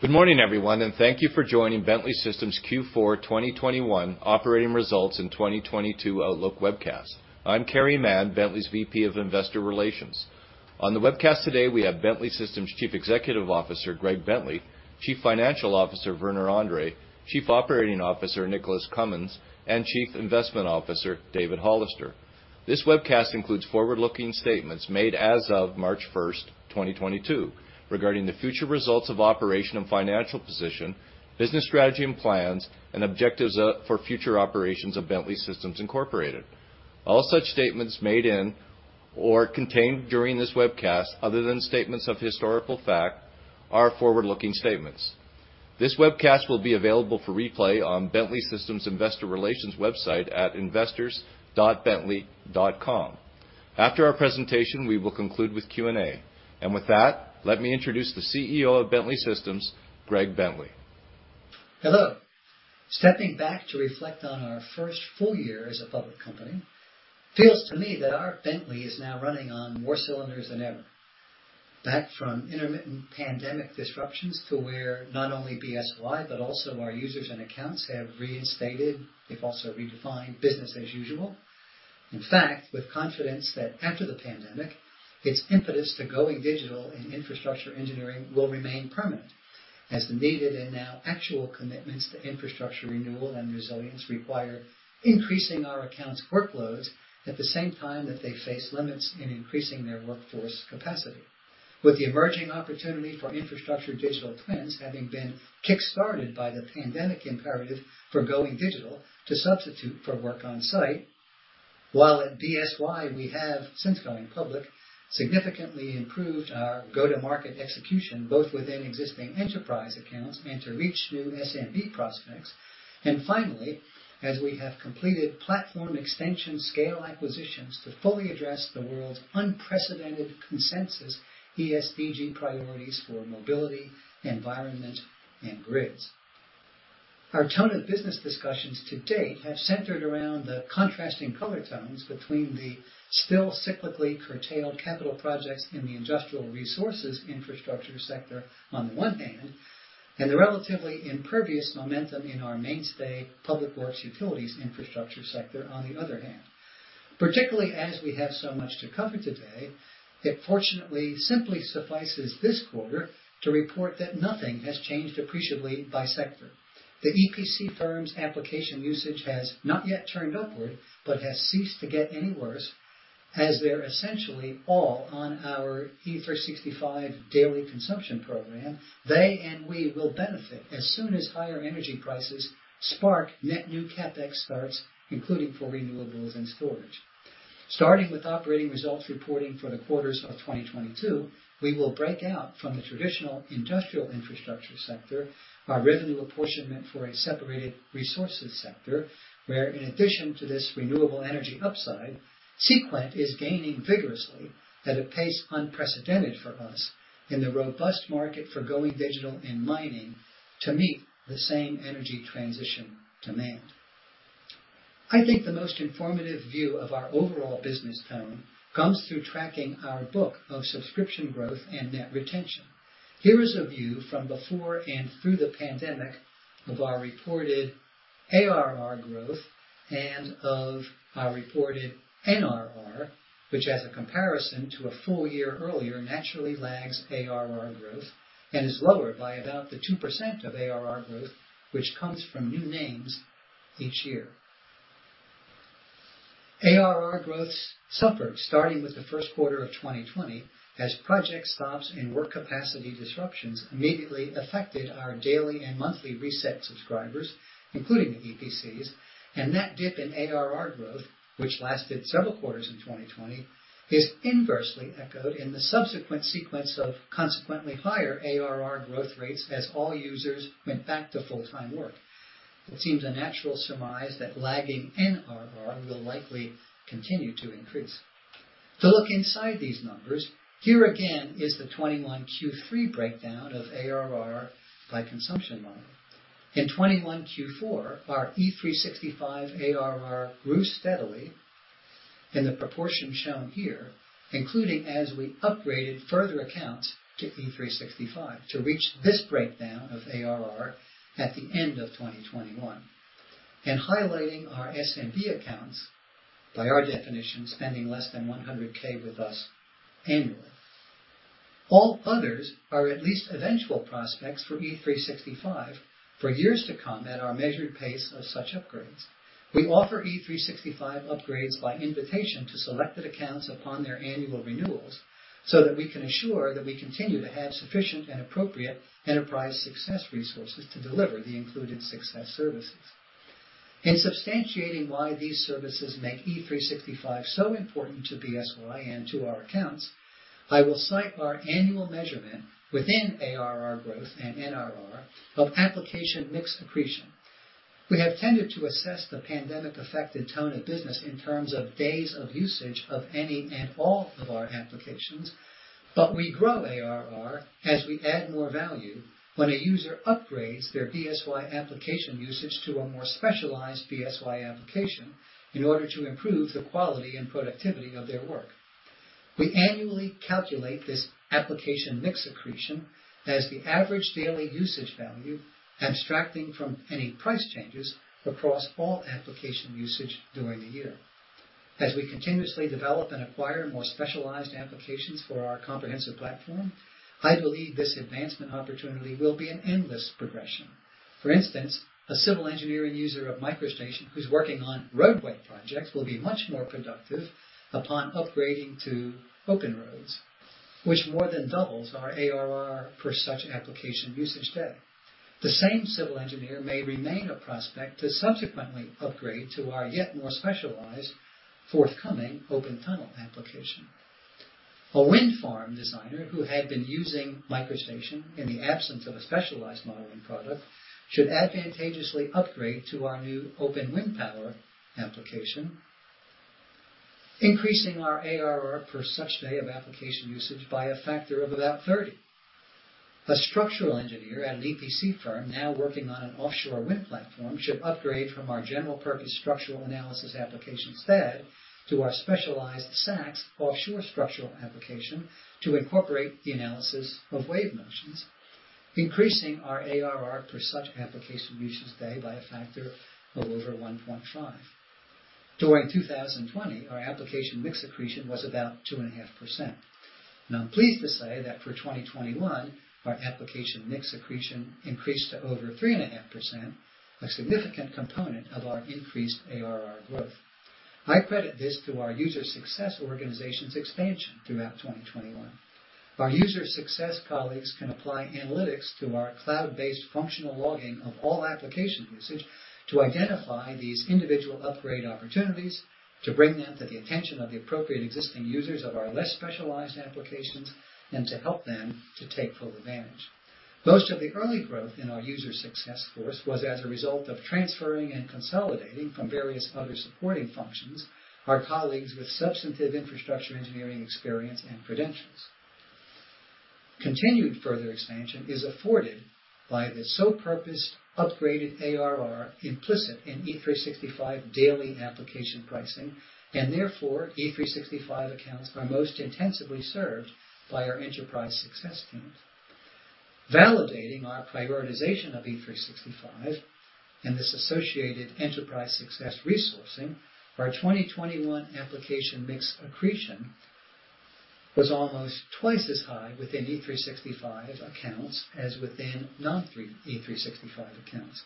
Good morning, everyone, and thank you for joining Bentley Systems Q4 2021 operating results in 2022 outlook webcast. I'm Carey Mann, Bentley's VP of Investor Relations. On the webcast today, we have Bentley Systems Chief Executive Officer Greg Bentley, Chief Financial Officer Werner Andre, Chief Operating Officer Nicholas Cumins, and Chief Investment Officer David Hollister. This webcast includes forward-looking statements made as of March 1st, 2022, regarding the future results of operation and financial position, business strategy and plans and objectives for future operations of Bentley Systems Incorporated. All such statements made in or contained during this webcast, other than statements of historical fact, are forward-looking statements. This webcast will be available for replay on Bentley Systems investor relations website at investors.bentley.com. After our presentation, we will conclude with Q&A. With that, let me introduce the CEO of Bentley Systems, Greg Bentley. Hello. Stepping back to reflect on our first full year as a public company feels to me that our Bentley is now running on more cylinders than ever, back from intermittent pandemic disruptions to where not only BSY but also our users and accounts have reinstated, if also redefined, business as usual. In fact, with confidence that after the pandemic, its impetus to going digital in infrastructure engineering will remain permanent as the needed and now actual commitments to infrastructure renewal and resilience require increasing our accounts workloads at the same time that they face limits in increasing their workforce capacity, with the emerging opportunity for infrastructure digital twins having been kick-started by the pandemic imperative for going digital to substitute for work on site. While at BSY, we have since going public significantly improved our go-to-market execution, both within existing enterprise accounts and to reach new SMB prospects. Finally, as we have completed platform extension scale acquisitions to fully address the world's unprecedented consensus, ESG priorities for mobility, environment, and grids. Our tone of business discussions to date have centered around the contrasting color tones between the still cyclically curtailed capital projects in the industrial resources infrastructure sector on the one hand, and the relatively impervious momentum in our mainstay public works utilities infrastructure sector on the other hand. Particularly as we have so much to cover today, it fortunately simply suffices this quarter to report that nothing has changed appreciably by sector. The EPC firms application usage has not yet turned upward, but has ceased to get any worse as they're essentially all on our E365 daily consumption program. They and we will benefit as soon as higher energy prices spark net new CapEx starts, including for renewables and storage. Starting with operating results reporting for the quarters of 2022, we will break out from the traditional industrial infrastructure sector, our revenue apportionment for a separated resources sector, where in addition to this renewable energy upside, Seequent is gaining vigorously at a pace unprecedented for us in the robust market for going digital in mining to meet the same energy transition demand. I think the most informative view of our overall business tone comes through tracking our bookings of subscription growth and net retention. Here is a view from before and through the pandemic of our reported ARR growth and of our reported NRR, which, as a comparison to a full year earlier, naturally lags ARR growth and is lower by about the 2% of ARR growth, which comes from new names each year. ARR growth suffered starting with the first quarter of 2020 as project stops and work capacity disruptions immediately affected our daily and monthly reset subscribers, including the EPCs. That dip in ARR growth, which lasted several quarters in 2020, is inversely echoed in the subsequent sequence of consequently higher ARR growth rates as all users went back to full-time work. It seems a natural surmise that lagging NRR will likely continue to increase. To look inside these numbers, here again is the 2021 Q3 breakdown of ARR by consumption model. In 2021 Q4, our E365 ARR grew steadily in the proportion shown here, including as we upgraded further accounts to E365 to reach this breakdown of ARR at the end of 2021. Highlighting our SMB accounts by our definition, spending less than $100,000 with us annually. All others are at least eventual prospects for E365 for years to come at our measured pace of such upgrades. We offer E365 upgrades by invitation to selected accounts upon their annual renewals, so that we can assure that we continue to have sufficient and appropriate enterprise success resources to deliver the included success services. In substantiating why these services make E365 so important to BSY and to our accounts, I will cite our annual measurement within ARR growth and NRR of application mix accretion. We have tended to assess the pandemic-affected tone of business in terms of days of usage of any and all of our applications, but we grow ARR as we add more value. When a user upgrades their BSY application usage to a more specialized BSY application in order to improve the quality and productivity of their work. We annually calculate this application mix accretion as the average daily usage value, abstracting from any price changes across all application usage during the year. As we continuously develop and acquire more specialized applications for our comprehensive platform, I believe this advancement opportunity will be an endless progression. For instance, a civil engineering user of MicroStation who's working on roadway projects will be much more productive upon upgrading to OpenRoads, which more than doubles our ARR for such application usage day. The same civil engineer may remain a prospect to subsequently upgrade to our yet more specialized forthcoming OpenTunnel application. A wind farm designer who had been using MicroStation in the absence of a specialized modeling product should advantageously upgrade to our new OpenWindPower application, increasing our ARR per such day of application usage by a factor of about 30. A structural engineer at an EPC firm now working on an offshore wind platform should upgrade from our general-purpose structural analysis application, STAAD, to our specialized SACS offshore structural application to incorporate the analysis of wave motions, increasing our ARR per such application usage day by a factor of over 1.5. During 2020, our application mix accretion was about 2.5%. I'm pleased to say that for 2021, our application mix accretion increased to over 3.5%, a significant component of our increased ARR growth. I credit this to our user success organization's expansion throughout 2021. Our user success colleagues can apply analytics to our cloud-based functional logging of all application usage to identify these individual upgrade opportunities, to bring them to the attention of the appropriate existing users of our less specialized applications, and to help them to take full advantage. Most of the early growth in our user success corps was as a result of transferring and consolidating from various other supporting functions our colleagues with substantive infrastructure engineering experience and credentials. Continued further expansion is afforded by the sole purposed upgraded ARR implicit in E365 daily application pricing, and therefore, E365 accounts are most intensively served by our enterprise success teams. Validating our prioritization of E365 and this associated enterprise success resourcing, our 2021 application mix accretion was almost twice as high within E365 accounts as within non-E365 accounts.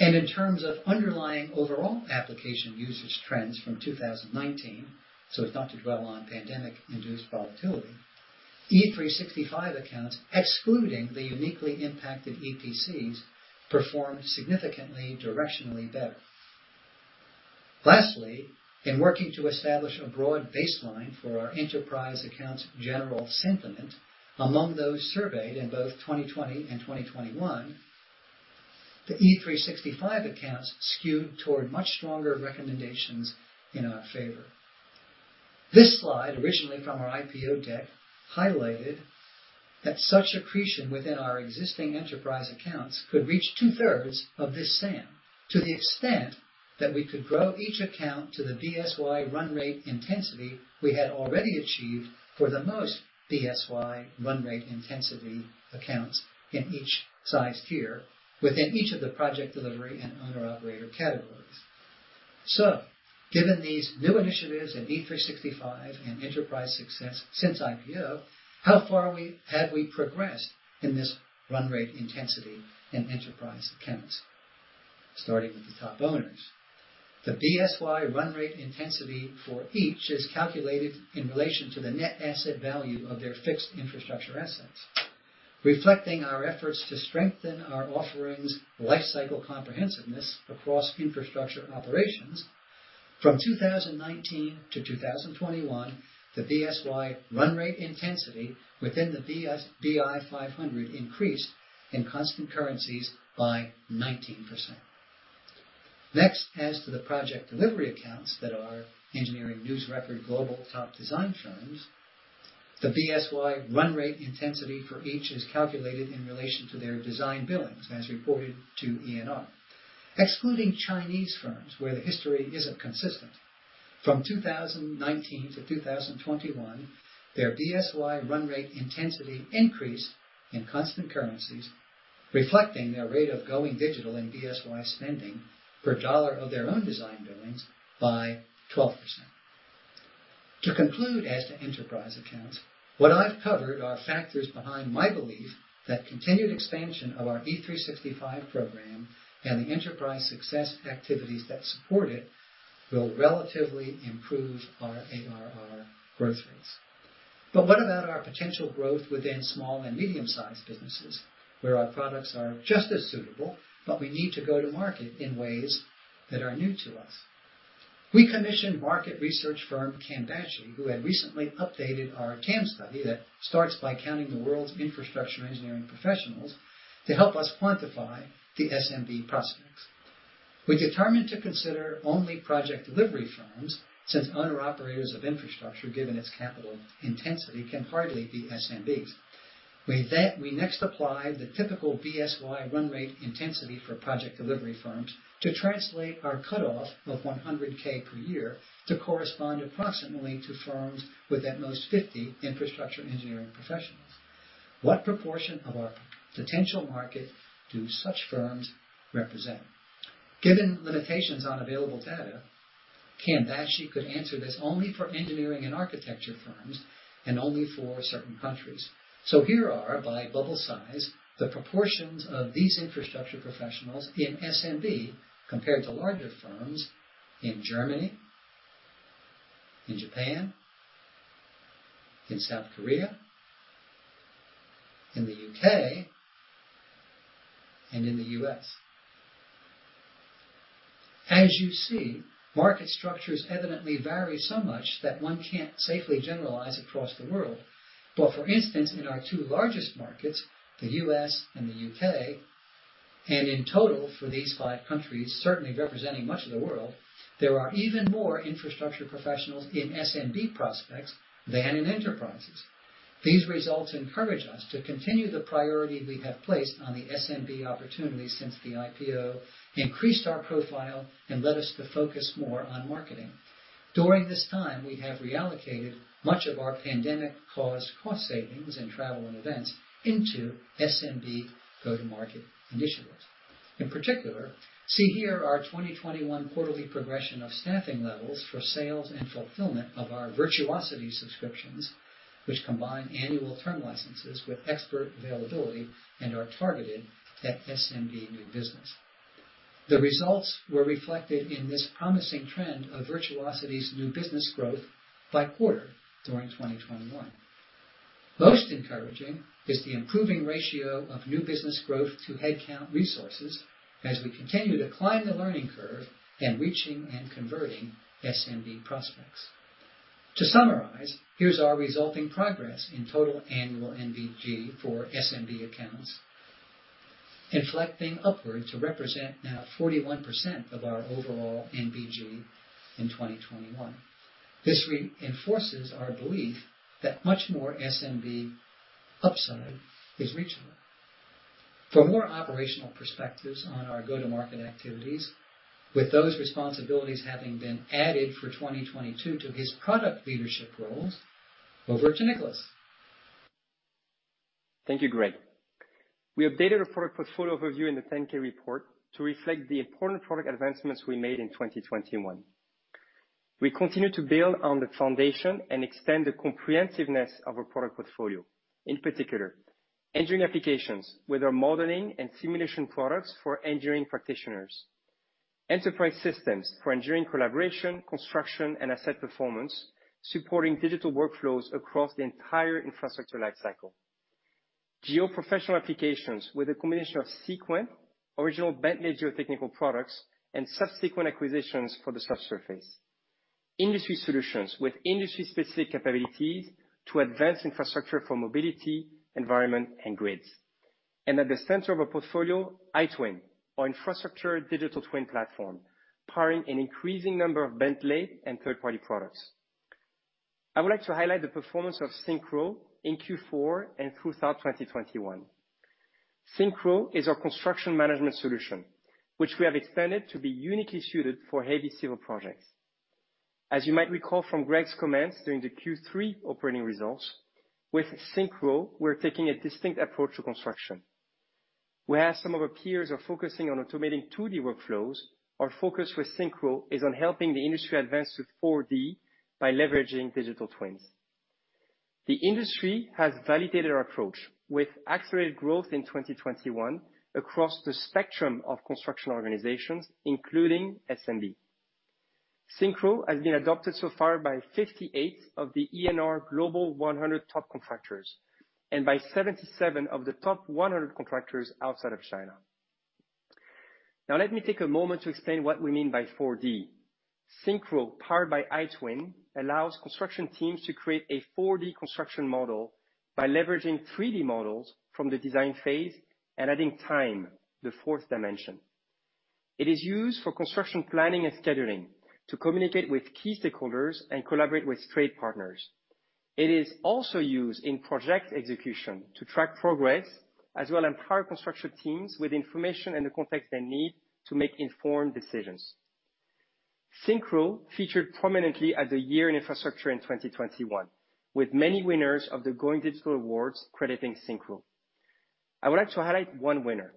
In terms of underlying overall application usage trends from 2019, so as not to dwell on pandemic-induced volatility, E365 accounts, excluding the uniquely impacted EPCs, performed significantly directionally better. Lastly, in working to establish a broad baseline for our enterprise accounts general sentiment among those surveyed in both 2020 and 2021, the E365 accounts skewed toward much stronger recommendations in our favor. This slide, originally from our IPO deck, highlighted that such accretion within our existing enterprise accounts could reach two-thirds of this SAM to the extent that we could grow each account to the BSY run rate intensity we had already achieved for the most BSY run rate intensity accounts in each size tier within each of the project delivery and owner/operator categories. Given these new initiatives in E365 and enterprise success since IPO, how far have we progressed in this run rate intensity in enterprise accounts? Starting with the top owners. The BSY run rate intensity for each is calculated in relation to the net asset value of their fixed infrastructure assets. Reflecting our efforts to strengthen our offerings life cycle comprehensiveness across infrastructure operations, from 2019 to 2021, the BSY run rate intensity within the BI 500 increased in constant currencies by 19%. Next, as to the project delivery accounts that are Engineering News-Record Global top design firms, the BSY run rate intensity for each is calculated in relation to their design billings as reported to ENR. Excluding Chinese firms, where the history isn't consistent, from 2019 to 2021, their BSY run rate intensity increased in constant currencies, reflecting their rate of going digital in BSY spending per dollar of their own design billings, by 12%. To conclude as to enterprise accounts, what I've covered are factors behind my belief that continued expansion of our E365 program and the enterprise success activities that support it will relatively improve our ARR growth rates. What about our potential growth within small and medium-sized businesses, where our products are just as suitable, but we need to go to market in ways that are new to us? We commissioned market research firm Cambashi, who had recently updated our TAM study that starts by counting the world's infrastructure engineering professionals to help us quantify the SMB prospects. We determined to consider only project delivery firms since owner operators of infrastructure, given its capital intensity, can hardly be SMBs. We next applied the typical BSY run rate intensity for project delivery firms to translate our cutoff of $100,000 per year to correspond approximately to firms with at most 50 infrastructure engineering professionals. What proportion of our potential market do such firms represent? Given limitations on available data, Ken Dash could answer this only for engineering and architecture firms and only for certain countries. Here are, by bubble size, the proportions of these infrastructure professionals in SMB compared to larger firms in Germany, in Japan, in South Korea, in the U.K., and in the U.S. As you see, market structures evidently vary so much that one can't safely generalize across the world. For instance, in our two largest markets, the U.S. and the U.K., and in total for these five countries, certainly representing much of the world, there are even more infrastructure professionals in SMB prospects than in enterprises. These results encourage us to continue the priority we have placed on the SMB opportunity since the IPO increased our profile and led us to focus more on marketing. During this time, we have reallocated much of our pandemic-caused cost savings in travel and events into SMB go-to-market initiatives. In particular, see here our 2021 quarterly progression of staffing levels for sales and fulfillment of our Virtuosity subscriptions, which combine annual term licenses with expert availability and are targeted at SMB new business. The results were reflected in this promising trend of Virtuosity's new business growth by quarter during 2021. Most encouraging is the improving ratio of new business growth to headcount resources as we continue to climb the learning curve and reaching and converting SMB prospects. To summarize, here's our resulting progress in total annual NBG for SMB accounts inflecting upward to represent now 41% of our overall NBG in 2021. This reinforces our belief that much more SMB upside is reachable. For more operational perspectives on our go-to-market activities, with those responsibilities having been added for 2022 to his product leadership roles, over to Nicholas. Thank you, Greg. We updated our product portfolio review in the 10-K report to reflect the important product advancements we made in 2021. We continue to build on the foundation and extend the comprehensiveness of our product portfolio. In particular, engineering applications with our modeling and simulation products for engineering practitioners. Enterprise systems for engineering collaboration, construction, and asset performance, supporting digital workflows across the entire infrastructure lifecycle. Geo-professional applications with a combination of Seequent, original Bentley geotechnical products, and subsequent acquisitions for the subsurface. Industry solutions with industry-specific capabilities to advance infrastructure for mobility, environment, and grids. At the center of our portfolio, iTwin, our infrastructure digital twin platform, powering an increasing number of Bentley and third-party products. I would like to highlight the performance of SYNCHRO in Q4 and throughout 2021. SYNCHRO is our construction management solution, which we have extended to be uniquely suited for heavy civil projects. As you might recall from Greg's comments during the Q3 operating results, with SYNCHRO, we're taking a distinct approach to construction. Whereas some of our peers are focusing on automating 2D workflows, our focus with SYNCHRO is on helping the industry advance to 4D by leveraging digital twins. The industry has validated our approach with accelerated growth in 2021 across the spectrum of construction organizations, including SMB. SYNCHRO has been adopted so far by 58 of the ENR Global 100 Top Contractors and by 77 of the top 100 contractors outside of China. Now let me take a moment to explain what we mean by 4D. SYNCHRO, powered by iTwin, allows construction teams to create a 4D construction model by leveraging 3D models from the design phase and adding time, the fourth dimension. It is used for construction planning and scheduling, to communicate with key stakeholders and collaborate with trade partners. It is also used in project execution to track progress as well as empower construction teams with information and the context they need to make informed decisions. SYNCHRO featured prominently in the Year in Infrastructure in 2021, with many winners of the Going Digital Awards crediting SYNCHRO. I would like to highlight one winner.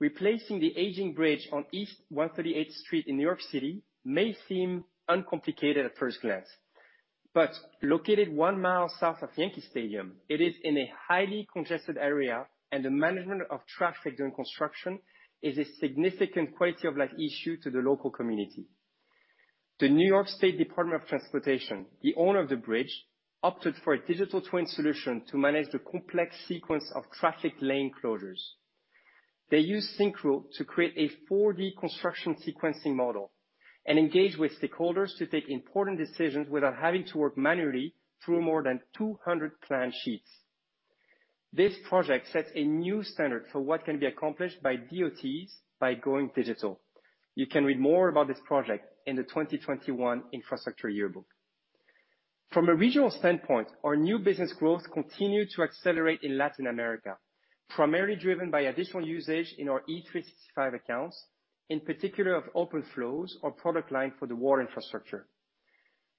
Replacing the aging bridge on East 138th Street in New York City may seem uncomplicated at first glance, but located one mile south of Yankee Stadium, it is in a highly congested area, and the management of traffic during construction is a significant quality of life issue to the local community. The New York State Department of Transportation, the owner of the bridge, opted for a digital twin solution to manage the complex sequence of traffic lane closures. They used SYNCHRO to create a 4D construction sequencing model and engage with stakeholders to take important decisions without having to work manually through more than 200 plan sheets. This project sets a new standard for what can be accomplished by DOTs by going digital. You can read more about this project in the 2021 Infrastructure Yearbook. From a regional standpoint, our new business growth continued to accelerate in Latin America, primarily driven by additional usage in our E365 accounts, in particular of OpenFlows, our product line for the water infrastructure.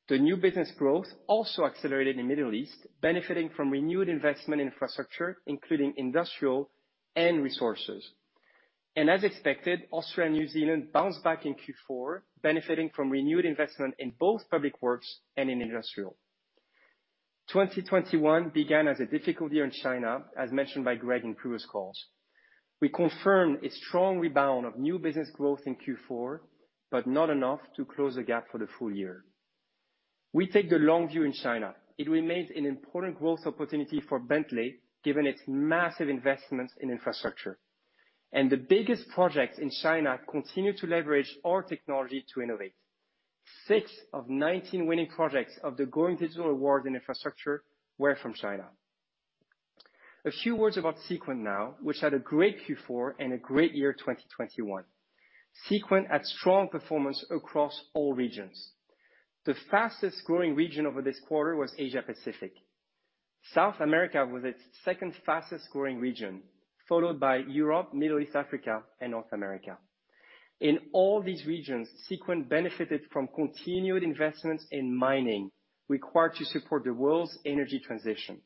The new business growth also accelerated in Middle East, benefiting from renewed investment in infrastructure, including industrial and resources. As expected, Australia and New Zealand bounced back in Q4, benefiting from renewed investment in both public works and in industrial. 2021 began as a difficult year in China, as mentioned by Greg in previous calls. We confirmed a strong rebound of new business growth in Q4, but not enough to close the gap for the full year. We take the long view in China. It remains an important growth opportunity for Bentley, given its massive investments in infrastructure. The biggest projects in China continue to leverage our technology to innovate. six of 19 winning projects of the Going Digital Awards in infrastructure were from China. A few words about Seequent now, which had a great Q4 and a great year 2021. Seequent had strong performance across all regions. The fastest-growing region over this quarter was Asia-Pacific. South America was its second fastest-growing region, followed by Europe, Middle East, Africa, and North America. In all these regions, Seequent benefited from continued investments in mining required to support the world's energy transition.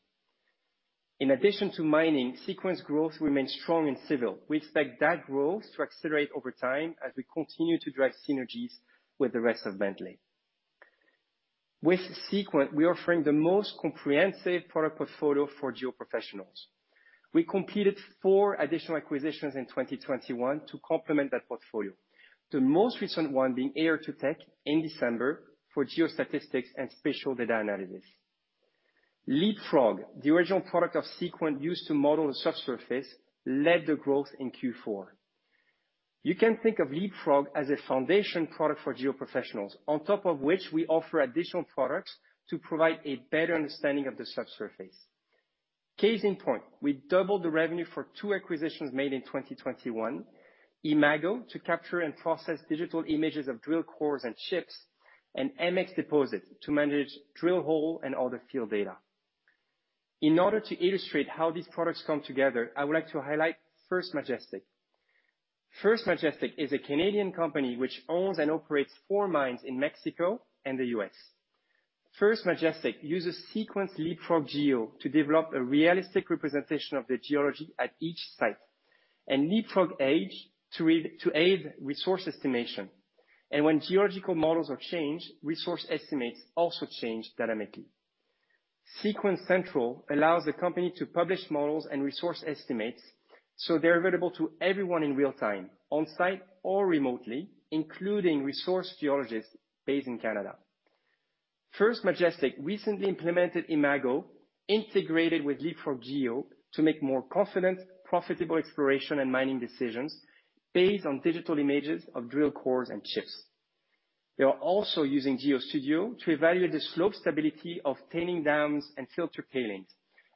In addition to mining, Seequent's growth remains strong in civil. We expect that growth to accelerate over time as we continue to drive synergies with the rest of Bentley. With Seequent, we're offering the most comprehensive product portfolio for geoprofessionals. We completed four additional acquisitions in 2021 to complement that portfolio, the most recent one being AR2Tech in December for geostatistics and spatial data analysis. Leapfrog, the original product of Seequent used to model the subsurface, led the growth in Q4. You can think of Leapfrog as a foundation product for geoprofessionals, on top of which we offer additional products to provide a better understanding of the subsurface. Case in point, we doubled the revenue for two acquisitions made in 2021, Imago, to capture and process digital images of drill cores and chips, and MX Deposit to manage drill hole and other field data. In order to illustrate how these products come together, I would like to highlight First Majestic. First Majestic is a Canadian company which owns and operates four mines in Mexico and the U.S. First Majestic uses Seequent Leapfrog Geo to develop a realistic representation of the geology at each site, and Leapfrog Edge to aid resource estimation. When geological models are changed, resource estimates also change dynamically. Seequent Central allows the company to publish models and resource estimates, so they're available to everyone in real time, on-site or remotely, including resource geologists based in Canada. First Majestic recently implemented Imago integrated with Leapfrog Geo to make more confident, profitable exploration and mining decisions based on digital images of drill cores and chips. They are also using GeoStudio to evaluate the slope stability of tailings dams and filter tailings,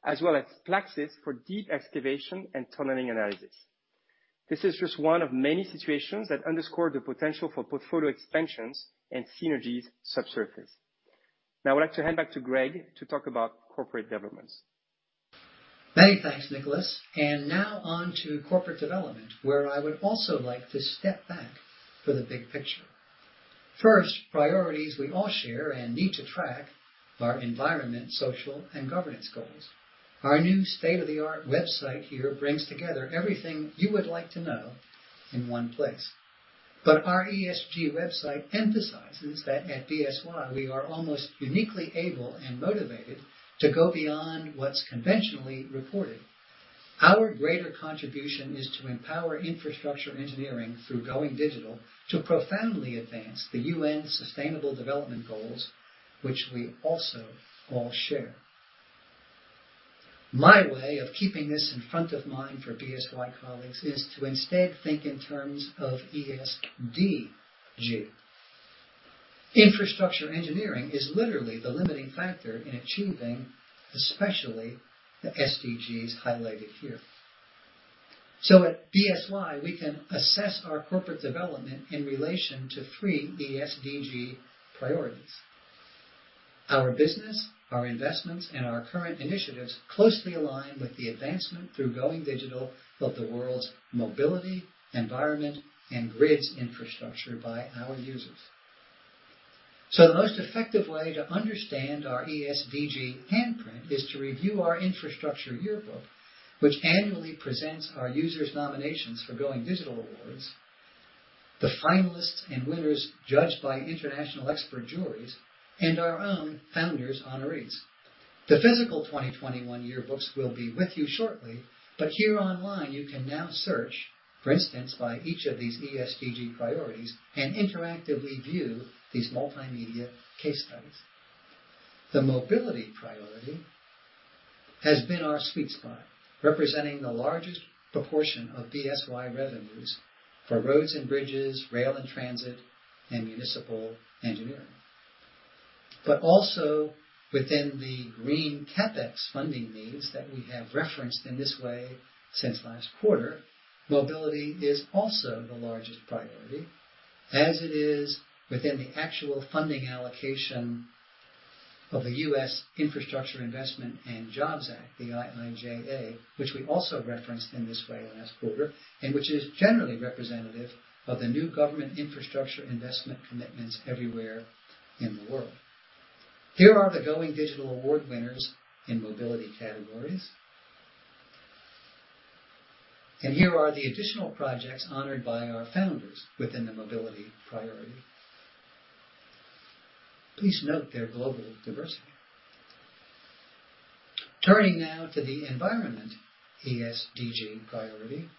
as well as PLAXIS for deep excavation and tunneling analysis. This is just one of many situations that underscore the potential for portfolio expansions and synergies subsurface. Now I'd like to hand back to Greg to talk about corporate developments. Many thanks, Nicholas. Now on to corporate development, where I would also like to step back for the big picture. First, priorities we all share and need to track our environmental, social, and governance goals. Our new state-of-the-art website here brings together everything you would like to know in one place. Our ESG website emphasizes that at BSY, we are almost uniquely able and motivated to go beyond what's conventionally reported. Our greater contribution is to empower infrastructure engineering through going digital to profoundly advance the UN Sustainable Development Goals, which we also all share. My way of keeping this in front of mind for BSY colleagues is to instead think in terms of ES(D)G. Infrastructure engineering is literally the limiting factor in achieving, especially the SDGs highlighted here. At BSY, we can assess our corporate development in relation to three ES(D)G priorities. Our business, our investments, and our current initiatives closely align with the advancement through Going Digital of the world's mobility, environment, and grids infrastructure by our users. The most effective way to understand our ES(D)G handprint is to review our Infrastructure Yearbook, which annually presents our users' nominations for Going Digital Awards, the finalists and winners judged by international expert juries, and our own founders' honorees. The physical 2021 yearbooks will be with you shortly, but here online, you can now search, for instance, by each of these ES(D)G priorities and interactively view these multimedia case studies. The mobility priority has been our sweet spot, representing the largest proportion of BSY revenues for roads and bridges, rail and transit, and municipal engineering. Also within the green CapEx funding needs that we have referenced in this way since last quarter, mobility is also the largest priority, as it is within the actual funding allocation of the U.S. Infrastructure Investment and Jobs Act, the IIJA, which we also referenced in this way last quarter, and which is generally representative of the new government infrastructure investment commitments everywhere in the world. Here are the Going Digital Awards winners in mobility categories. Here are the additional projects honored by our founders within the mobility priority. Please note their global diversity. Turning now to the environmental ES(D)G priority.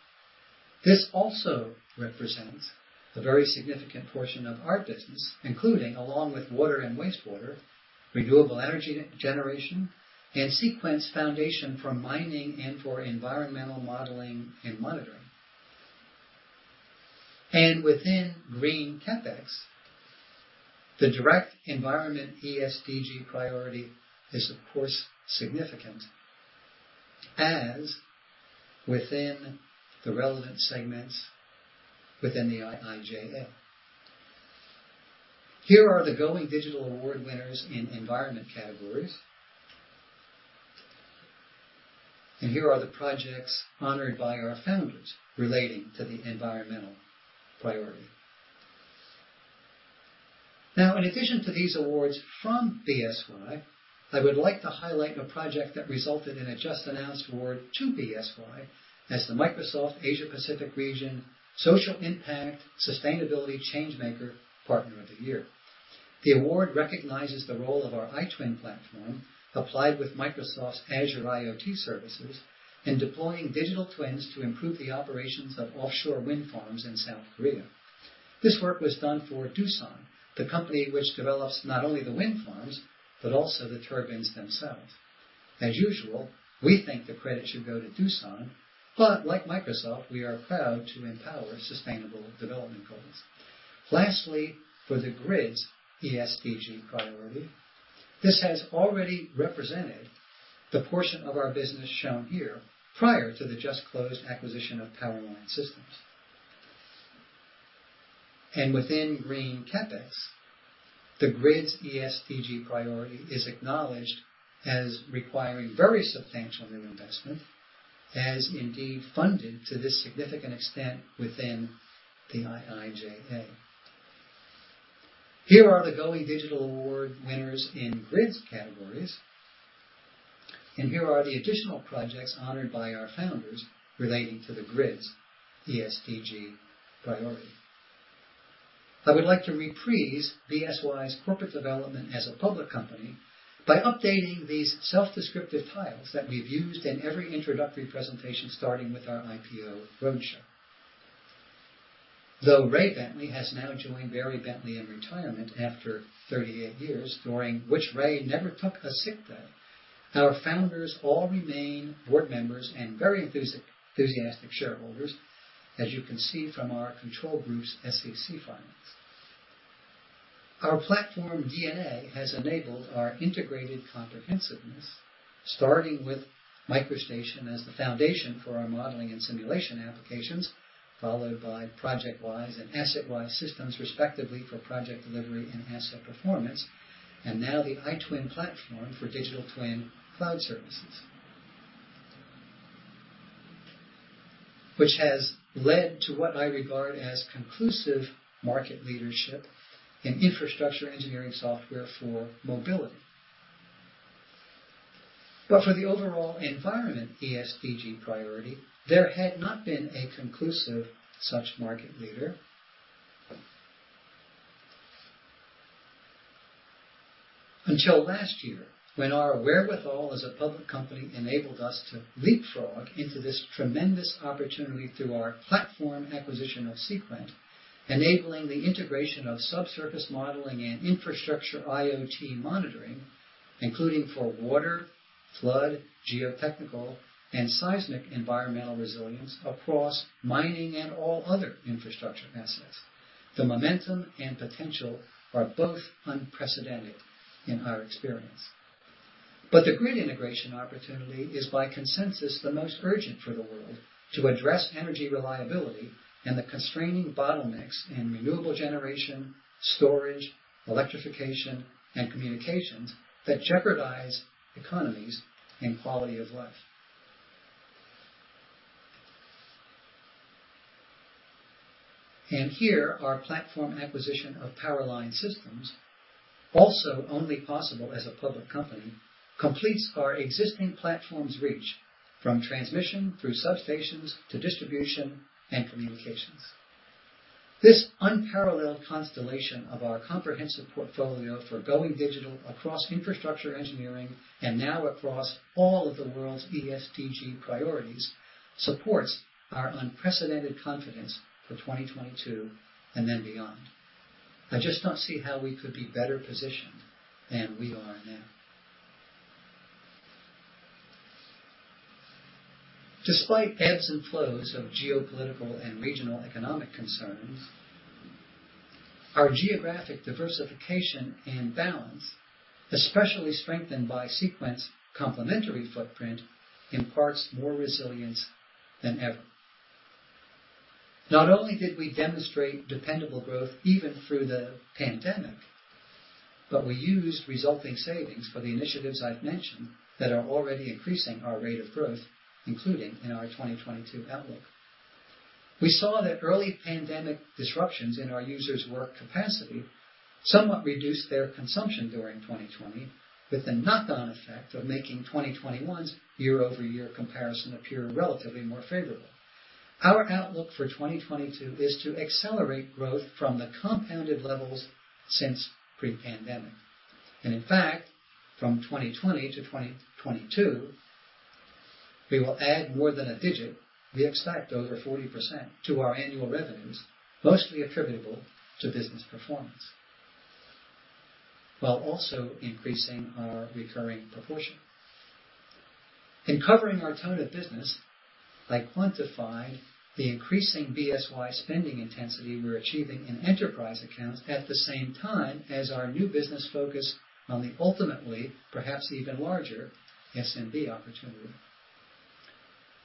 This also represents a very significant portion of our business, including, along with water and wastewater, renewable energy generation, and Seequent's foundation for mining and for environmental modeling and monitoring. Within green CapEx, the direct environment ES(D)G priority is, of course, significant, as within the relevant segments within the IIJA. Here are the Going Digital Awards winners in environment categories. Here are the projects honored by our founders relating to the environmental priority. Now, in addition to these awards from BSY, I would like to highlight a project that resulted in a just announced award to BSY as the Microsoft Asia-Pacific Region Social Impact Sustainability Changemaker Partner of the Year. The award recognizes the role of our iTwin platform, applied with Microsoft's Azure IoT services in deploying digital twins to improve the operations of offshore wind farms in South Korea. This work was done for Doosan, the company which develops not only the wind farms, but also the turbines themselves. As usual, we think the credit should go to Doosan, but like Microsoft, we are proud to empower Sustainable Development Goals. Lastly, for the grids ES(D)G priority, this has already represented the portion of our business shown here prior to the just closed acquisition of Power Line Systems. Within green CapEx, the grids ES(D)G priority is acknowledged as requiring very substantial new investment, as indeed funded to this significant extent within the IIJA. Here are the Going Digital Awards winners in grids categories. Here are the additional projects honored by our founders relating to the grids ES(D)G priority. I would like to reprise BSY's corporate development as a public company by updating these self-descriptive tiles that we've used in every introductory presentation, starting with our IPO roadshow. Though Ray Bentley has now joined Barry Bentley in retirement after 38 years, during which Ray never took a sick day, our founders all remain board members and very enthusiastic shareholders, as you can see from our control group's SEC filings. Our platform DNA has enabled our integrated comprehensiveness, starting with MicroStation as the foundation for our modeling and simulation applications, followed by ProjectWise and AssetWise systems, respectively, for project delivery and asset performance, and now the iTwin platform for digital twin cloud services. Which has led to what I regard as conclusive market leadership in infrastructure engineering software for mobility. For the overall environment ES(D)G priority, there had not been a conclusive such market leader. Until last year, when our wherewithal as a public company enabled us to leapfrog into this tremendous opportunity through our platform acquisition of Seequent, enabling the integration of subsurface modeling and infrastructure IoT monitoring, including for water, flood, geotechnical, and seismic environmental resilience across mining and all other infrastructure assets. The momentum and potential are both unprecedented in our experience. The Grid Integration opportunity is, by consensus, the most urgent for the world to address energy reliability and the constraining bottlenecks in renewable generation, storage, electrification, and communications that jeopardize economies and quality of life. Here, our platform acquisition of Power Line Systems, also only possible as a public company, completes our existing platform's reach from transmission through substations to distribution and communications. This unparalleled constellation of our comprehensive portfolio for going digital across infrastructure engineering, and now across all of the world's ES(D)G priorities, supports our unprecedented confidence for 2022 and then beyond. I just don't see how we could be better positioned than we are now. Despite ebbs and flows of geopolitical and regional economic concerns, our geographic diversification and balance, especially strengthened by Seequent's complementary footprint, imparts more resilience than ever. Not only did we demonstrate dependable growth even through the pandemic, but we used resulting savings for the initiatives I've mentioned that are already increasing our rate of growth, including in our 2022 outlook. We saw that early pandemic disruptions in our users' work capacity somewhat reduced their consumption during 2020, with the knock-on effect of making 2021's year-over-year comparison appear relatively more favorable. Our outlook for 2022 is to accelerate growth from the compounded levels since pre-pandemic. In fact, from 2020 to 2022, we will add more than a digit. We expect over 40% to our annual revenues, mostly attributable to business performance, while also increasing our recurring proportion. In covering our tone of business, I quantified the increasing BSY spending intensity we're achieving in enterprise accounts at the same time as our new business focus on the ultimately perhaps even larger SMB opportunity.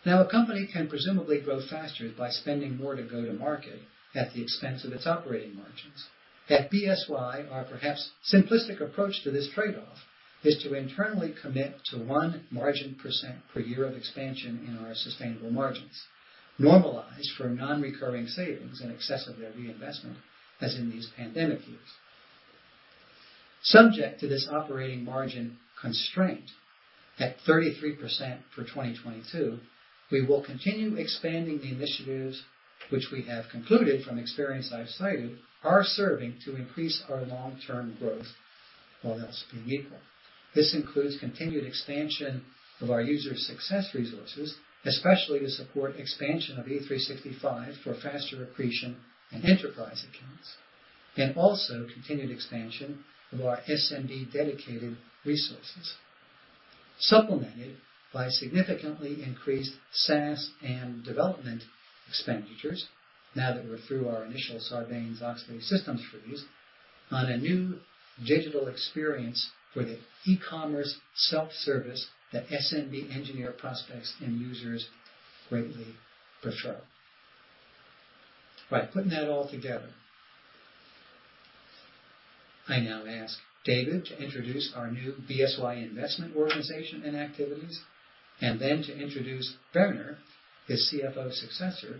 Now, a company can presumably grow faster by spending more to go to market at the expense of its operating margins. At BSY, our perhaps simplistic approach to this trade-off is to internally commit to 1% per year of expansion in our sustainable margins, normalized for non-recurring savings in excess of their reinvestment, as in these pandemic years. Subject to this operating margin constraint at 33% for 2022, we will continue expanding the initiatives which we have concluded from experience I've cited are serving to increase our long-term growth, all else being equal. This includes continued expansion of our user success resources, especially to support expansion of E365 for faster accretion in enterprise accounts, and also continued expansion of our SMB dedicated resources, supplemented by significantly increased SaaS and development expenditures now that we're through our initial Sarbanes-Oxley systems reviews on a new digital experience for the e-commerce self-service that SMB engineer prospects and users greatly prefer. By putting that all together, I now ask David to introduce our new BSY Investments organization and activities, and then to introduce Werner, the CFO successor,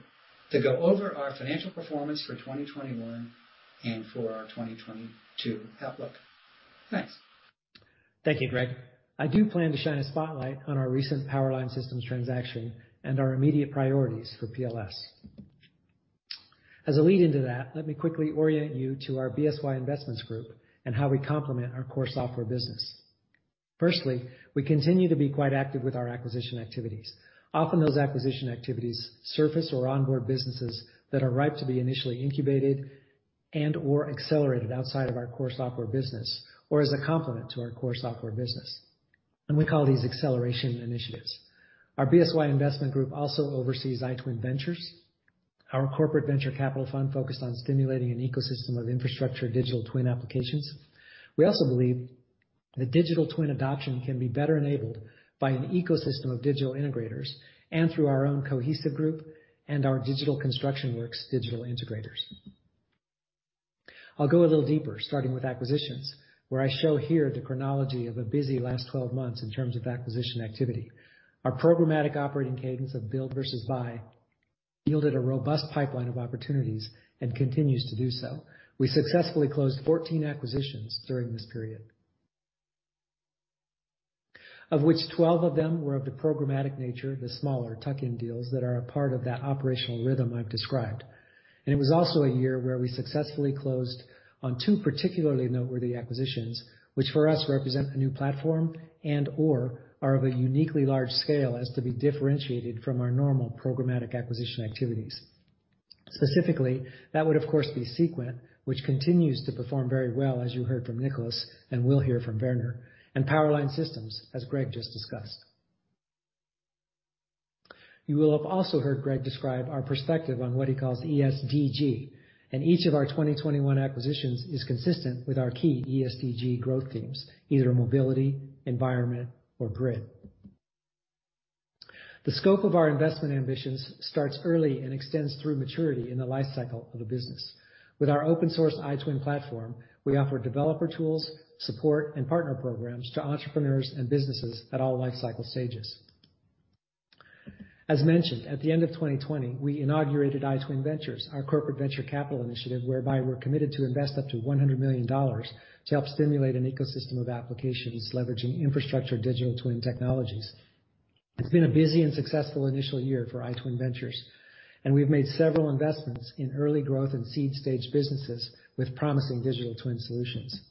to go over our financial performance for 2021 and for our 2022 outlook. Thanks. Thank you, Greg. I do plan to shine a spotlight on our recent Power Line Systems transaction and our immediate priorities for PLS. As a lead into that, let me quickly orient you to our BSY Investments group and how we complement our core software business. Firstly, we continue to be quite active with our acquisition activities. Often those acquisition activities surface or onboard businesses that are ripe to be initially incubated and/or accelerated outside of our core software business or as a complement to our core software business. We call these acceleration initiatives. Our BSY Investment Group also oversees iTwin Ventures, our corporate venture capital fund focused on stimulating an ecosystem of infrastructure digital twin applications. We also believe that digital twin adoption can be better enabled by an ecosystem of digital integrators and through our own Cohesive group and our Digital Construction Works digital integrators. I'll go a little deeper, starting with acquisitions, where I show here the chronology of a busy last 12 months in terms of acquisition activity. Our programmatic operating cadence of build versus buy yielded a robust pipeline of opportunities and continues to do so. We successfully closed 14 acquisitions during this period, of which 12 of them were of the programmatic nature, the smaller tuck-in deals that are a part of that operational rhythm I've described. It was also a year where we successfully closed on two particularly noteworthy acquisitions, which for us represent a new platform and/or are of a uniquely large scale as to be differentiated from our normal programmatic acquisition activities. Specifically, that would, of course, be Seequent, which continues to perform very well, as you heard from Nicholas and will hear from Werner, and Power Line Systems, as Greg just discussed. You will have also heard Greg describe our perspective on what he calls ES(D)G, and each of our 2021 acquisitions is consistent with our key ES(D)G growth themes, either mobility, environment, or grid. The scope of our investment ambitions starts early and extends through maturity in the life cycle of a business. With our open source iTwin platform, we offer developer tools, support, and partner programs to entrepreneurs and businesses at all life cycle stages. As mentioned, at the end of 2020, we inaugurated iTwin Ventures, our corporate venture capital initiative, whereby we're committed to invest up to $100 million to help stimulate an ecosystem of applications leveraging infrastructure digital twin technologies. It's been a busy and successful initial year for iTwin Ventures, and we've made several investments in early growth and seed-stage businesses with promising digital twin solutions.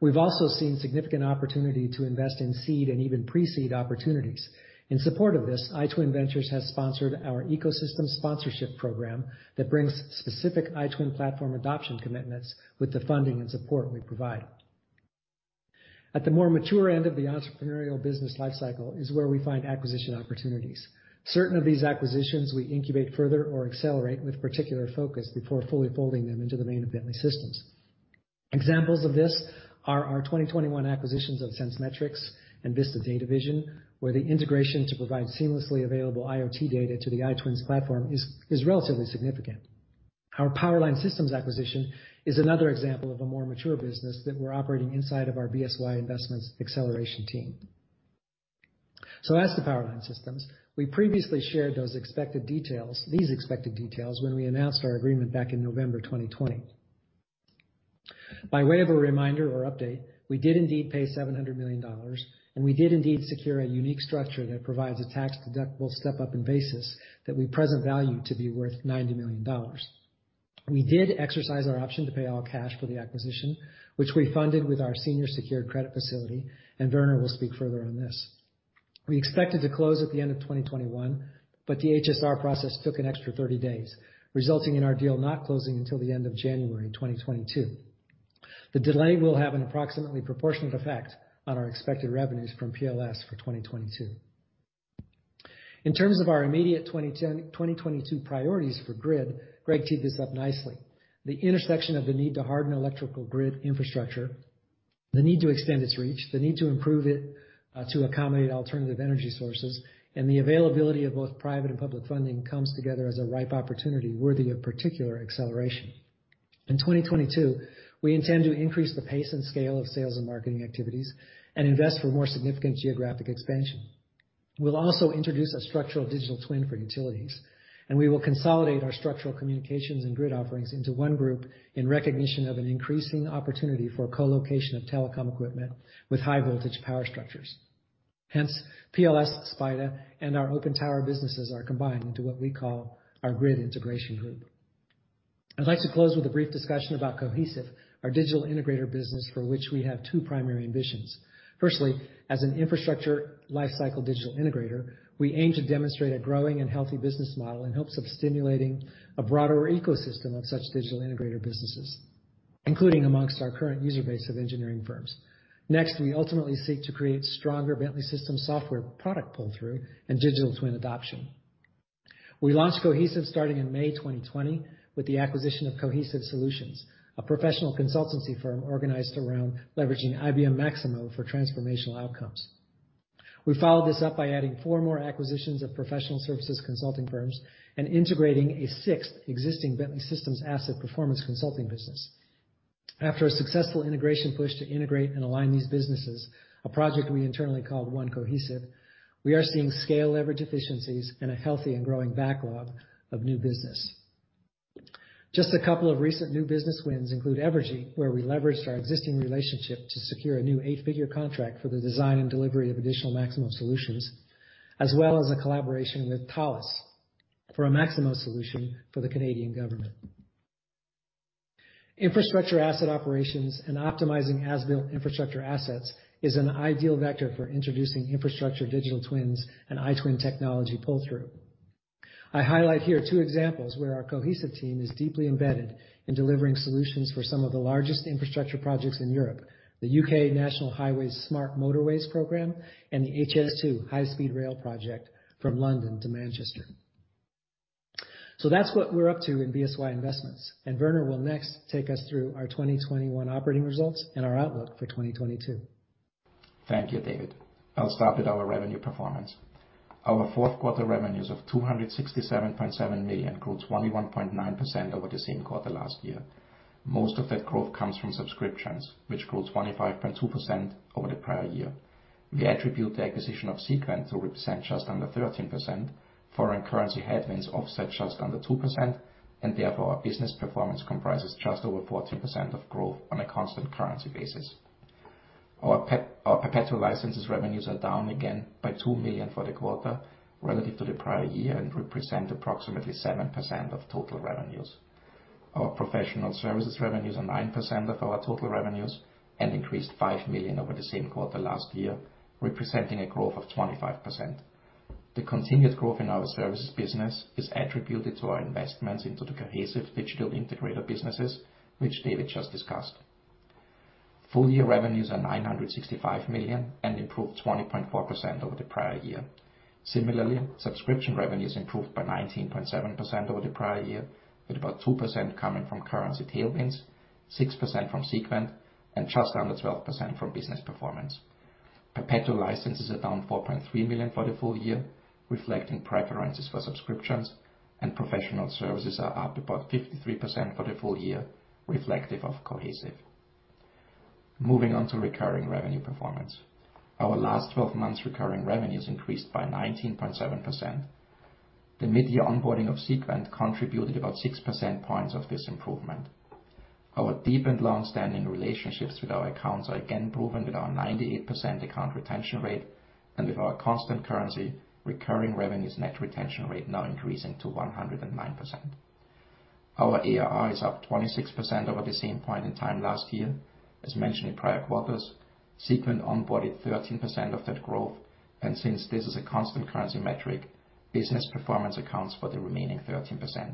We've also seen significant opportunity to invest in seed and even pre-seed opportunities. In support of this, iTwin Ventures has sponsored our Ecosystem Sponsorship Program that brings specific iTwin platform adoption commitments with the funding and support we provide. At the more mature end of the entrepreneurial business life cycle is where we find acquisition opportunities. Certain of these acquisitions, we incubate further or accelerate with particular focus before fully folding them into the main Bentley Systems. Examples of this are our 2021 acquisitions of Sensemetrics and Vista Data Vision, where the integration to provide seamlessly available IoT data to the iTwin's platform is relatively significant. Our Power Line Systems acquisition is another example of a more mature business that we're operating inside of our BSY Investments acceleration team. As to Power Line Systems, we previously shared these expected details when we announced our agreement back in November 2020. By way of a reminder or update, we did indeed pay $700 million, and we did indeed secure a unique structure that provides a tax-deductible step-up in basis with a present value of $90 million. We did exercise our option to pay all cash for the acquisition, which we funded with our senior secured credit facility, and Werner will speak further on this. We expected to close at the end of 2021, but the HSR process took an extra 30 days, resulting in our deal not closing until the end of January 2022. The delay will have an approximately proportionate effect on our expected revenues from PLS for 2022. In terms of our immediate 2022 priorities for Grid, Greg teed this up nicely. The intersection of the need to harden electrical grid infrastructure, the need to extend its reach, the need to improve it, to accommodate alternative energy sources, and the availability of both private and public funding comes together as a ripe opportunity worthy of particular acceleration. In 2022, we intend to increase the pace and scale of sales and marketing activities and invest for more significant geographic expansion. We'll also introduce a structural digital twin for utilities, and we will consolidate our structural communications and grid offerings into one group in recognition of an increasing opportunity for co-location of telecom equipment with high-voltage power structures. Hence, PLS, SPIDA, and our OpenTower businesses are combined into what we call our Grid Integration group. I'd like to close with a brief discussion about Cohesive, our digital integrator business, for which we have two primary ambitions. Firstly, as an infrastructure lifecycle digital integrator, we aim to demonstrate a growing and healthy business model in hopes of stimulating a broader ecosystem of such digital integrator businesses, including amongst our current user base of engineering firms. Next, we ultimately seek to create stronger Bentley Systems software product pull-through and digital twin adoption. We launched Cohesive starting in May 2020 with the acquisition of Cohesive Solutions, a professional consultancy firm organized around leveraging IBM Maximo for transformational outcomes. We followed this up by adding four more acquisitions of professional services consulting firms and integrating a sixth existing Bentley Systems asset performance consulting business. After a successful integration push to integrate and align these businesses, a project we internally called One Cohesive, we are seeing scale leverage efficiencies and a healthy and growing backlog of new business. Just a couple of recent new business wins include Evergy, where we leveraged our existing relationship to secure a new eight-figure contract for the design and delivery of additional Maximo solutions, as well as a collaboration with Thales for a Maximo solution for the Canadian government. Infrastructure asset operations and optimizing as-built infrastructure assets is an ideal vector for introducing infrastructure digital twins and iTwin technology pull-through. I highlight here two examples where our Cohesive team is deeply embedded in delivering solutions for some of the largest infrastructure projects in Europe, the U.K. National Highways Smart Motorways program and the HS2 high-speed rail project from London to Manchester. That's what we're up to in BSY Investments, and Werner will next take us through our 2021 operating results and our outlook for 2022. Thank you, David. I'll start with our revenue performance. Our fourth quarter revenues of $267.7 million grew 21.9% over the same quarter last year. Most of that growth comes from subscriptions, which grew 25.2% over the prior year. We attribute the acquisition of Seequent to represent just under 13%, foreign currency headwinds offset just under 2%, and therefore, our business performance comprises just over 14% of growth on a constant currency basis. Our perpetual licenses revenues are down again by $2 million for the quarter relative to the prior year and represent approximately 7% of total revenues. Our professional services revenues are 9% of our total revenues and increased $5 million over the same quarter last year, representing a growth of 25%. The continued growth in our services business is attributed to our investments into the Cohesive digital integrator businesses, which David just discussed. Full-year revenues are $965 million and improved 20.4% over the prior year. Similarly, subscription revenues improved by 19.7% over the prior year, with about 2% coming from currency tailwinds, 6% from Seequent, and just under 12% from business performance. Perpetual licenses are down $4.3 million for the full year, reflecting preferences for subscriptions, and professional services are up about 53% for the full year, reflective of Cohesive. Moving on to recurring revenue performance. Our last 12 months recurring revenues increased by 19.7%. The mid-year onboarding of Seequent contributed about six percentage points of this improvement. Our deep and long-standing relationships with our accounts are again proven with our 98% account retention rate and with our constant currency recurring revenues net retention rate now increasing to 109%. Our ARR is up 26% over the same point in time last year. As mentioned in prior quarters, Seequent onboarded 13% of that growth, and since this is a constant currency metric, business performance accounts for the remaining 13%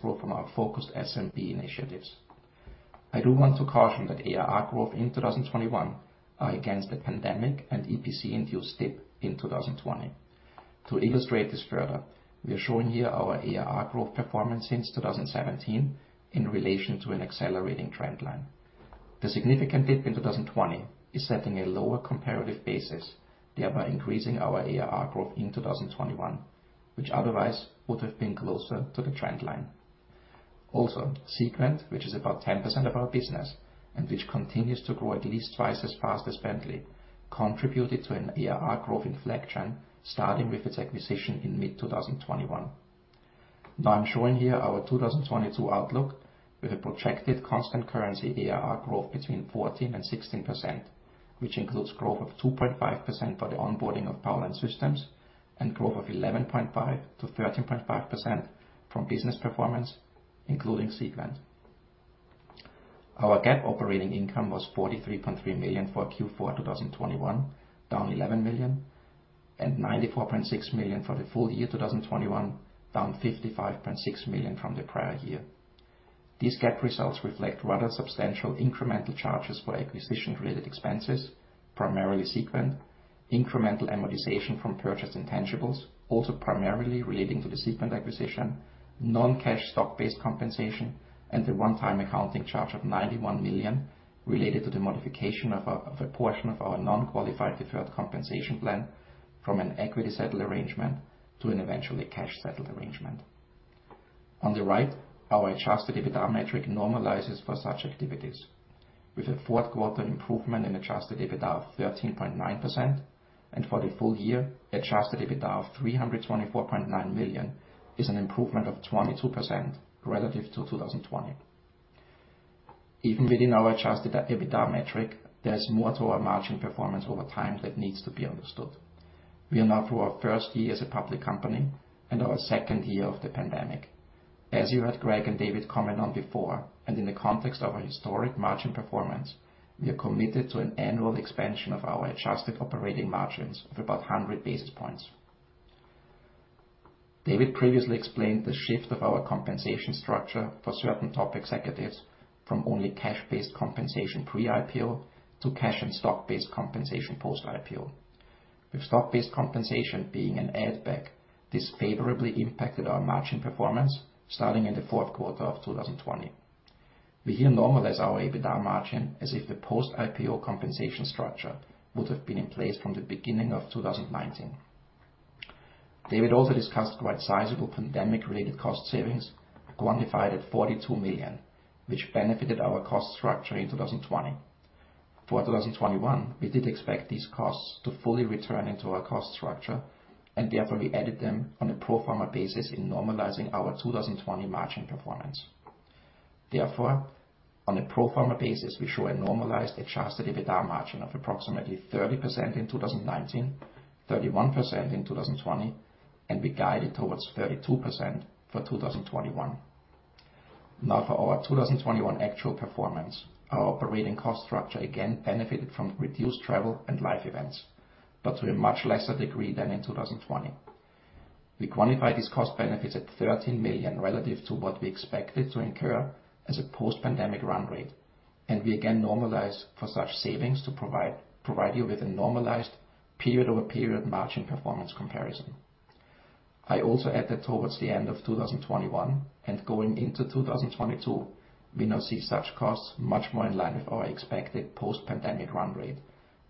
from our focused SMB initiatives. I do want to caution that ARR growth in 2021 are against the pandemic and EPC-induced dip in 2020. To illustrate this further, we are showing here our ARR growth performance since 2017 in relation to an accelerating trend line. The significant dip in 2020 is setting a lower comparative basis, thereby increasing our ARR growth in 2021, which otherwise would have been closer to the trend line. Also, Seequent, which is about 10% of our business and which continues to grow at least twice as fast as Bentley, contributed to an ARR growth inflection starting with its acquisition in mid-2021. Now I'm showing here our 2022 outlook with a projected constant currency ARR growth between 14%-16%, which includes growth of 2.5% for the onboarding of Power Line Systems and growth of 11.5%-13.5% from business performance, including Seequent. Our GAAP operating income was $43.3 million for Q4 2021, down $11 million, and $94.6 million for the full year 2021, down $55.6 million from the prior year. These GAAP results reflect rather substantial incremental charges for acquisition-related expenses, primarily Seequent, incremental amortization from purchased intangibles, also primarily relating to the Seequent acquisition, non-cash stock-based compensation, and the one-time accounting charge of $91 million related to the modification of a portion of our non-qualified deferred compensation plan from an equity settle arrangement to an eventually cash-settled arrangement. On the right, our adjusted EBITDA metric normalizes for such activities with a fourth quarter improvement in adjusted EBITDA of 13.9% and for the full year, adjusted EBITDA of $324.9 million is an improvement of 22% relative to 2020. Even within our adjusted EBITDA metric, there's more to our margin performance over time that needs to be understood. We are now through our first year as a public company and our second year of the pandemic. As you heard Greg and David comment on before, and in the context of our historic margin performance, we are committed to an annual expansion of our adjusted operating margins of about 100 basis points. David previously explained the shift of our compensation structure for certain top executives from only cash-based compensation pre-IPO to cash and stock-based compensation post-IPO. With stock-based compensation being an add back, this favorably impacted our margin performance starting in the fourth quarter of 2020. We herein normalize our EBITDA margin as if the post-IPO compensation structure would have been in place from the beginning of 2019. David also discussed quite sizable pandemic-related cost savings quantified at $42 million, which benefited our cost structure in 2020. For 2021, we did expect these costs to fully return into our cost structure, and therefore, we added them on a pro forma basis in normalizing our 2020 margin performance. Therefore, on a pro forma basis, we show a normalized adjusted EBITDA margin of approximately 30% in 2019, 31% in 2020, and we guided towards 32% for 2021. Now for our 2021 actual performance. Our operating cost structure again benefited from reduced travel and live events, but to a much lesser degree than in 2020. We quantify these cost benefits at $13 million relative to what we expected to incur as a post-pandemic run rate, and we again normalize for such savings to provide you with a normalized period-over-period margin performance comparison. I also add that towards the end of 2021 and going into 2022, we now see such costs much more in line with our expected post-pandemic run rate,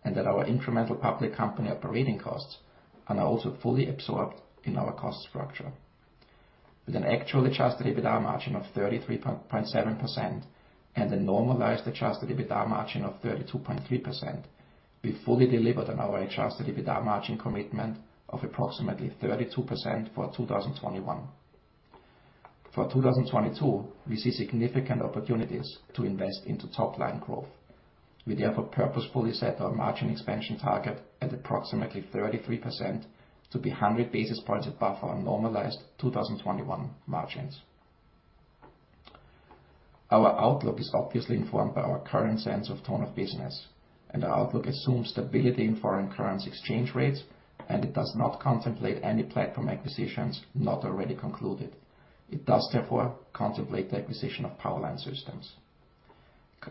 and that our incremental public company operating costs are now also fully absorbed in our cost structure. With an actual adjusted EBITDA margin of 33.7% and a normalized adjusted EBITDA margin of 32.3%, we fully delivered on our adjusted EBITDA margin commitment of approximately 32% for 2021. For 2022, we see significant opportunities to invest into top-line growth. We therefore purposefully set our margin expansion target at approximately 33% to be 100 basis points above our normalized 2021 margins. Our outlook is obviously informed by our current sense of tenor of business, and our outlook assumes stability in foreign currency exchange rates, and it does not contemplate any platform acquisitions not already concluded. It does therefore contemplate the acquisition of Power Line Systems.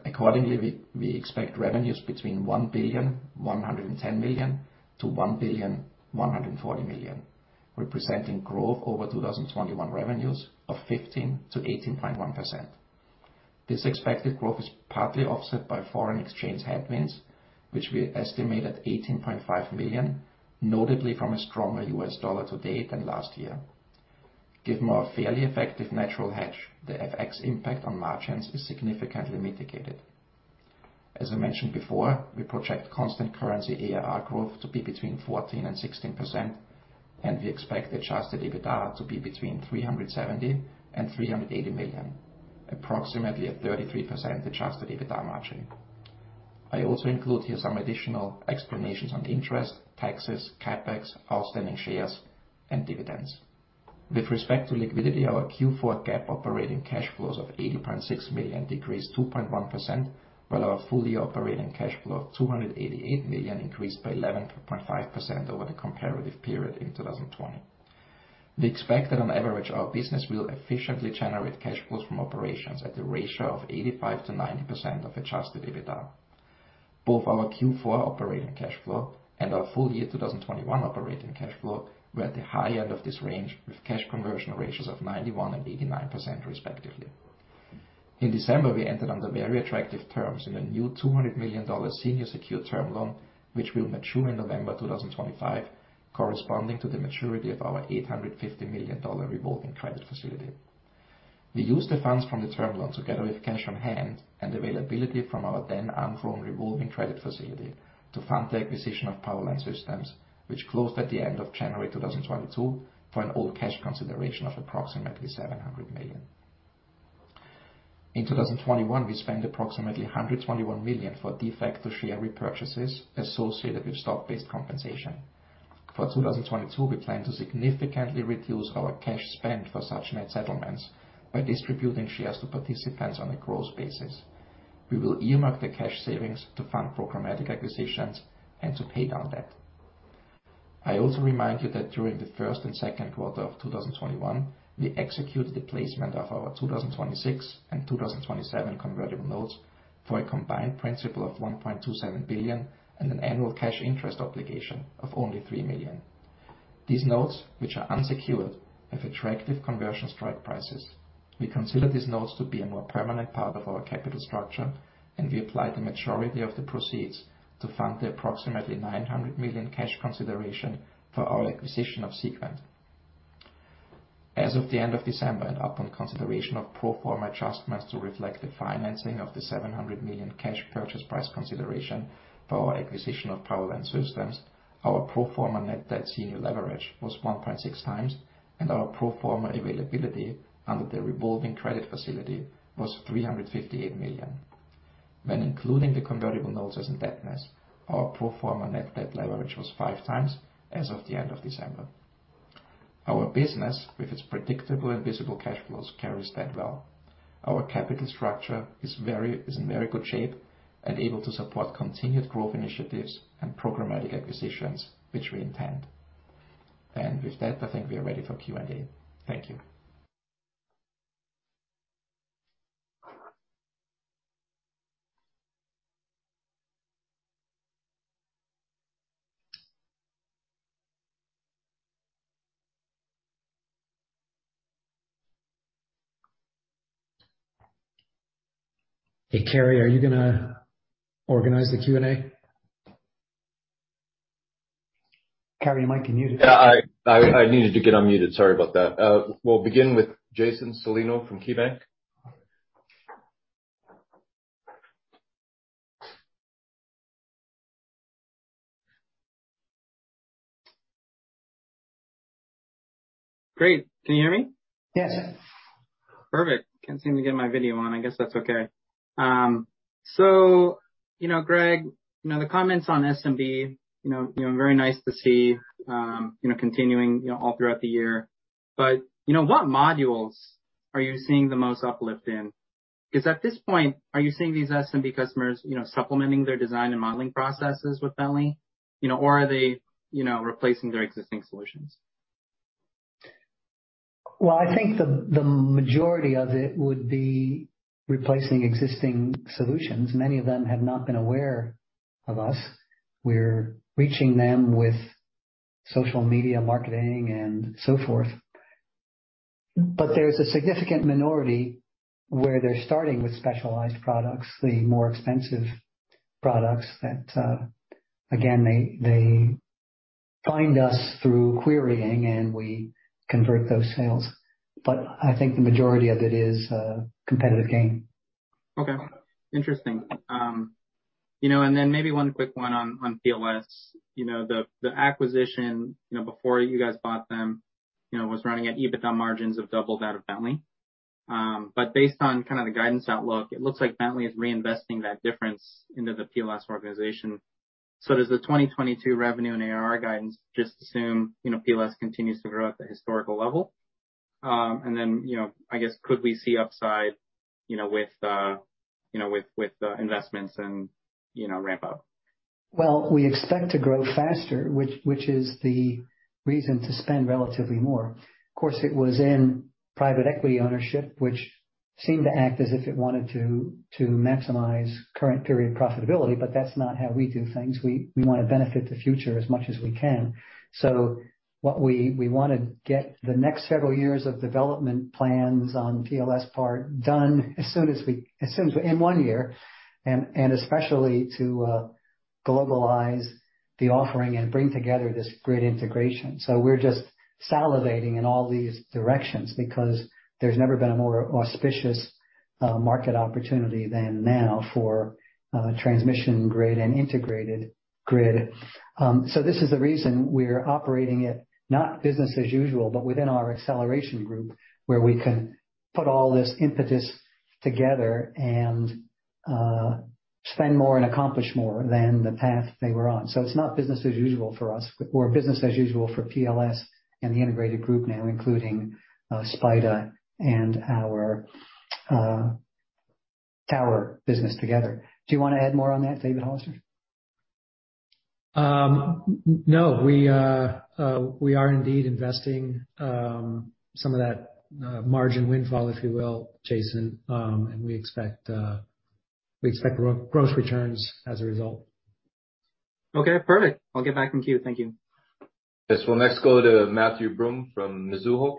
Accordingly, we expect revenues between $1 billion, $110 million to $1 billion, $140 million, representing growth over 2021 revenues of 15%-18.1%. This expected growth is partly offset by foreign exchange headwinds, which we estimate at $18.5 million, notably from a stronger U.S. dollar to date than last year. Given our fairly effective natural hedge, the FX impact on margins is significantly mitigated. As I mentioned before, we project constant currency ARR growth to be between 14% and 16%, and we expect adjusted EBITDA to be between $370 million and $380 million, approximately a 33% adjusted EBITDA margin. I also include here some additional explanations on interest, taxes, CapEx, outstanding shares, and dividends. With respect to liquidity, our Q4 GAAP operating cash flows of $80.6 million decreased 2.1%, while our full-year operating cash flow of $288 million increased by 11.5% over the comparative period in 2020. We expect that on average, our business will efficiently generate cash flows from operations at the ratio of 85%-90% of adjusted EBITDA. Both our Q4 operating cash flow and our full year 2021 operating cash flow were at the high end of this range, with cash conversion ratios of 91% and 89% respectively. In December, we entered under very attractive terms in a new $200 million senior secured term loan, which will mature in November 2025, corresponding to the maturity of our $850 million revolving credit facility. We used the funds from the term loan together with cash on hand and availability from our then unfrozen revolving credit facility to fund the acquisition of Power Line Systems, which closed at the end of January 2022 for an all-cash consideration of approximately $700 million. In 2021, we spent approximately $121 million for de facto share repurchases associated with stock-based compensation. For 2022, we plan to significantly reduce our cash spend for such net settlements by distributing shares to participants on a gross basis. We will earmark the cash savings to fund programmatic acquisitions and to pay down debt. I also remind you that during the first and second quarter of 2021, we executed the placement of our 2026 and 2027 convertible notes for a combined principal of $1.27 billion and an annual cash interest obligation of only $3 million. These notes, which are unsecured, have attractive conversion strike prices. We consider these notes to be a more permanent part of our capital structure, and we apply the majority of the proceeds to fund the approximately $900 million cash consideration for our acquisition of Seequent. As of the end of December, upon consideration of pro forma adjustments to reflect the financing of the $700 million cash purchase price consideration for our acquisition of Power Line Systems, our pro forma net debt senior leverage was 1.6x, and our pro forma availability under the revolving credit facility was $358 million. When including the convertible notes as indebtedness, our pro forma net debt leverage was 5x as of the end of December. Our business, with its predictable and visible cash flows, carries that well. Our capital structure is in very good shape and able to support continued growth initiatives and programmatic acquisitions, which we intend. With that, I think we are ready for Q&A. Thank you. Hey, Carey, are you gonna organize the Q&A? Carey, your mic is muted. Yeah, I needed to get unmuted. Sorry about that. We'll begin with Jason Celino from KeyBanc. All right. Great. Can you hear me? Yes. Perfect. Can't seem to get my video on. I guess that's okay. So, you know, Greg, you know, the comments on SMB, you know, very nice to see, you know, continuing all throughout the year. You know, what modules are you seeing the most uplift in? Because at this point, are you seeing these SMB customers, you know, supplementing their design and modeling processes with Bentley, you know, or are they, you know, replacing their existing solutions? Well, I think the majority of it would be replacing existing solutions. Many of them have not been aware of us. We're reaching them with social media, marketing and so forth. But there's a significant minority where they're starting with specialized products, the more expensive products that again, they find us through querying, and we convert those sales. But I think the majority of it is competitive gain. Okay. Interesting. You know, and then maybe one quick one on PLS. You know, the acquisition, you know, before you guys bought them, you know, was running at EBITDA margins of double that of Bentley. But based on kind of the guidance outlook, it looks like Bentley is reinvesting that difference into the PLS organization. Does the 2022 revenue and ARR guidance just assume, you know, PLS continues to grow at the historical level? And then, you know, I guess could we see upside, you know, with investments and ramp up? Well, we expect to grow faster, which is the reason to spend relatively more. Of course, it was in private equity ownership, which seemed to act as if it wanted to maximize current period profitability, but that's not how we do things. We wanna benefit the future as much as we can. What we wanna get the next several years of development plans on PLS part done in one year, especially to globalize the offering and bring together this Grid Integration. We're just salivating in all these directions because there's never been a more auspicious market opportunity than now for transmission grid and integrated grid. This is the reason we're operating it, not business as usual, but within our acceleration group, where we can put all this impetus together and spend more and accomplish more than the path they were on. It's not business as usual for us. We're business as usual for PLS and the integrated group now, including SPIDA and our tower business together. Do you wanna add more on that, David Hollister? No, we are indeed investing some of that margin windfall, if you will, Jason, and we expect gross returns as a result. Okay, perfect. I'll get back in queue. Thank you. Yes. We'll next go to Matthew Broome from Mizuho.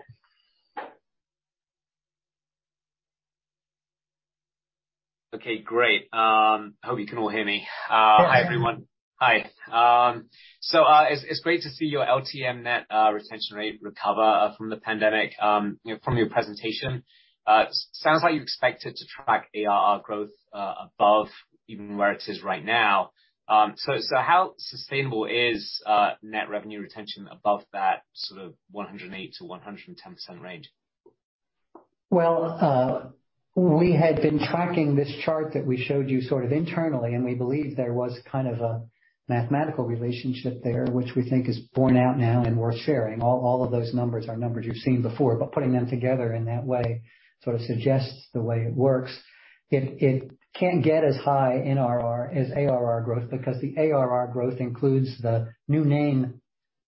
Okay, great. Hope you can all hear me. Of course. Hi, everyone. Hi. It's great to see your LTM net retention rate recover from the pandemic, you know, from your presentation. Sounds like you expected to track ARR growth above even where it is right now. How sustainable is net revenue retention above that sort of 108%-110% range? Well, we had been tracking this chart that we showed you sort of internally, and we believe there was kind of a mathematical relationship there, which we think is borne out now and worth sharing. All of those numbers are numbers you've seen before but putting them together in that way sort of suggests the way it works. It can't get as high NRR as ARR growth because the ARR growth includes the new name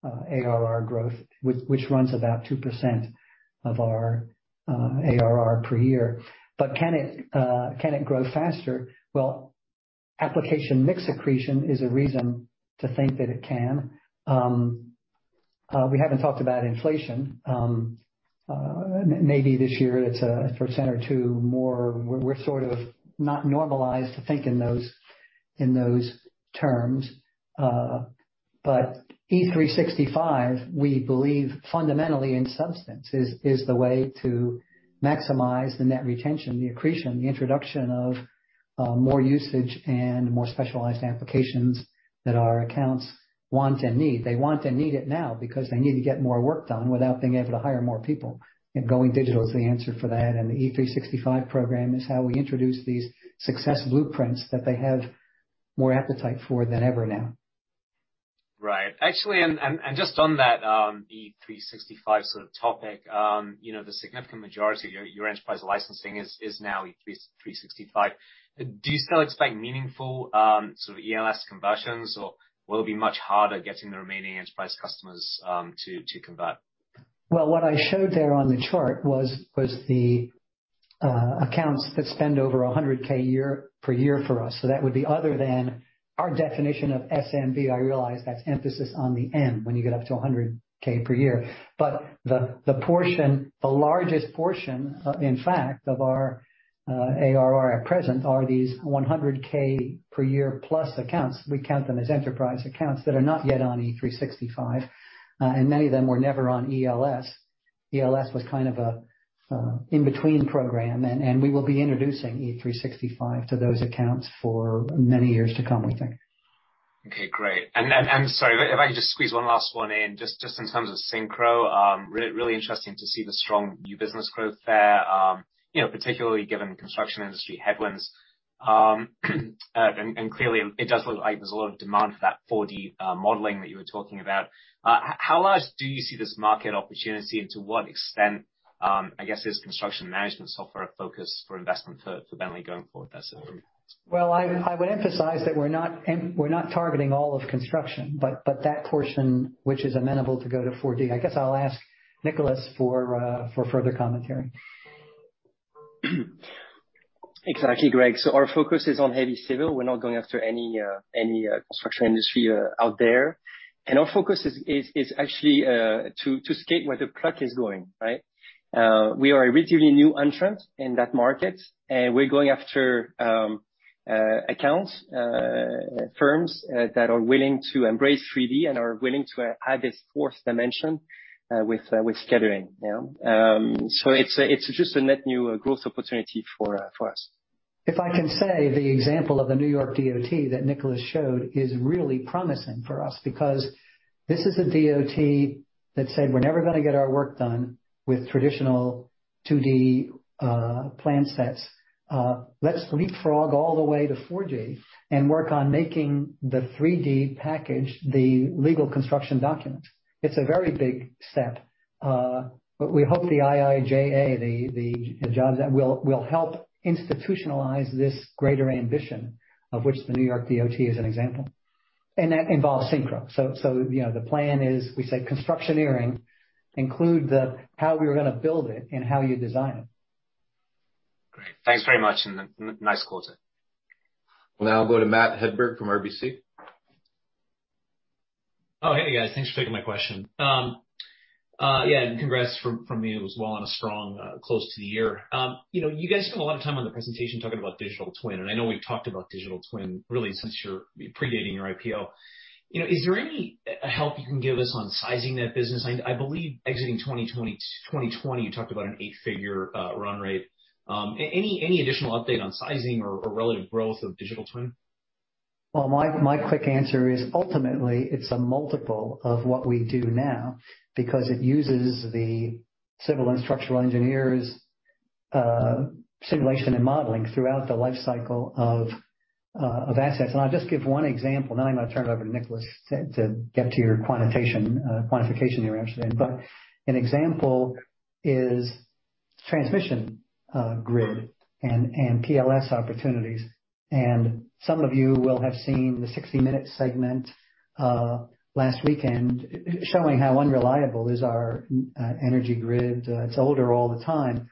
ARR growth, which runs about 2% of our ARR per year. Can it grow faster? Well, application mix accretion is a reason to think that it can. We haven't talked about inflation. Maybe this year it's a 1% or 2% more. We're sort of not normalized to think in those terms. E365, we believe fundamentally in substance, is the way to maximize the net retention, the accretion, the introduction of, more usage and more specialized applications that our accounts want and need. They want and need it now because they need to get more work done without being able to hire more people. Going digital is the answer for that, and the E365 program is how we introduce these success blueprints that they have more appetite for than ever now. Right. Actually just on that, you know, the significant majority of your enterprise licensing is now E365. Do you still expect meaningful sort of ELS conversions, or will it be much harder getting the remaining enterprise customers to convert? Well, what I showed there on the chart was the accounts that spend over $100,000 per year for us. That would be other than our definition of SMB. I realize that's emphasis on the M when you get up to $100,000 per year. The portion, the largest portion, in fact, of our ARR at present are these $100,000 per year plus accounts. We count them as enterprise accounts that are not yet on E365. Many of them were never on ELS. ELS was kind of a in-between program. We will be introducing E365 to those accounts for many years to come, I think. Okay, great. Sorry, if I could just squeeze one last one in, just in terms of SYNCHRO. Really interesting to see the strong new business growth there, you know, particularly given construction industry headwinds. Clearly it does look like there's a lot of demand for that 4D modeling that you were talking about. How large do you see this market opportunity, and to what extent, I guess, is construction management software a focus for investment for Bentley going forward there? Well, I would emphasize that we're not targeting all of construction, but that portion which is amenable to go to 4D. I guess I'll ask Nicholas for further commentary. Exactly, Greg. Our focus is on heavy civil. We're not going after any construction industry out there. Our focus is actually to skate where the puck is going, right? We are a relatively new entrant in that market, and we're going after accounts, firms, that are willing to embrace 3D and are willing to add this fourth dimension with scheduling. Yeah. It's just a net new growth opportunity for us. If I can say, the example of the New York DOT that Nicholas showed is really promising for us because this is a DOT that said, "We're never gonna get our work done with traditional 2D plan sets. Let's leapfrog all the way to 4D and work on making the 3D package the legal construction documents." It's a very big step. We hope the IIJA, the job that will help institutionalize this greater ambition of which the New York DOT is an example. That involves SYNCHRO. You know, the plan is we say Constructioneering include the how we're gonna build it and how you design it. Great. Thanks very much, and nice closing. We'll now go to Matt Hedberg from RBC. Oh, hey guys, thanks for taking my question. Yeah, congrats from me. It was well and a strong close to the year. You know, you guys spent a lot of time on the presentation talking about digital twin, and I know we've talked about digital twin really since predating your IPO. You know, is there any help you can give us on sizing that business? I believe exiting 2020, you talked about an eight-figure run rate. Any additional update on sizing or relative growth of digital twin? Well, my quick answer is ultimately it's a multiple of what we do now because it uses the civil and structural engineers, simulation and modeling throughout the life cycle of assets. I'll just give one example, and then I'm gonna turn it over to Nicholas to get to your quantification you're interested in. An example is transmission grid and PLS opportunities. Some of you will have seen the 60 minutes segment last weekend showing how unreliable is our energy grid. It's older all the time.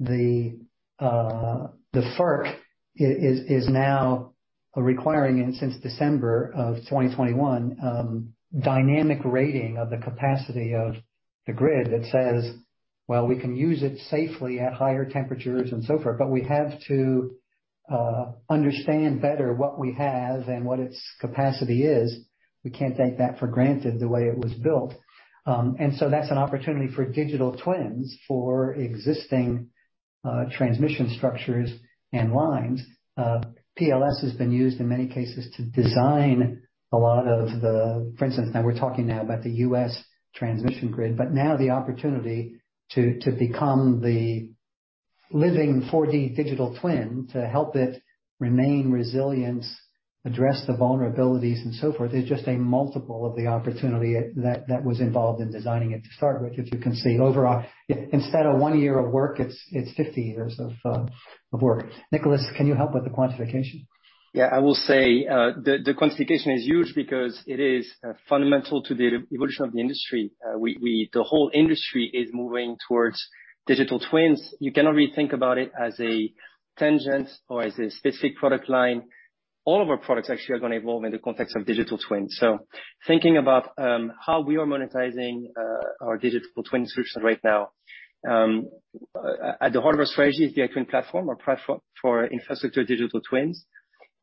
The FERC is now requiring, and since December of 2021, dynamic rating of the capacity of the grid that says, well, we can use it safely at higher temperatures and so forth, but we have to understand better what we have and what its capacity is. We can't take that for granted, the way it was built. That's an opportunity for digital twins for existing transmission structures and lines. PLS has been used in many cases to design a lot of the, for instance, now we're talking about the U.S. transmission grid, but the opportunity to become the living 4D digital twin to help it remain resilient, address the vulnerabilities and so forth, is just a multiple of the opportunity that was involved in designing it to start with. As you can see, overall, instead of one year of work, it's 50 years of work. Nicholas, can you help with the quantification? Yeah. I will say, the quantification is huge because it is fundamental to the evolution of the industry. The whole industry is moving towards digital twins. You cannot really think about it as a tangent or as a specific product line. All of our products actually are gonna evolve in the context of digital twins. Thinking about how we are monetizing our digital twin solution right now, at the heart of our strategy is the iTwin platform or platform for infrastructure digital twins.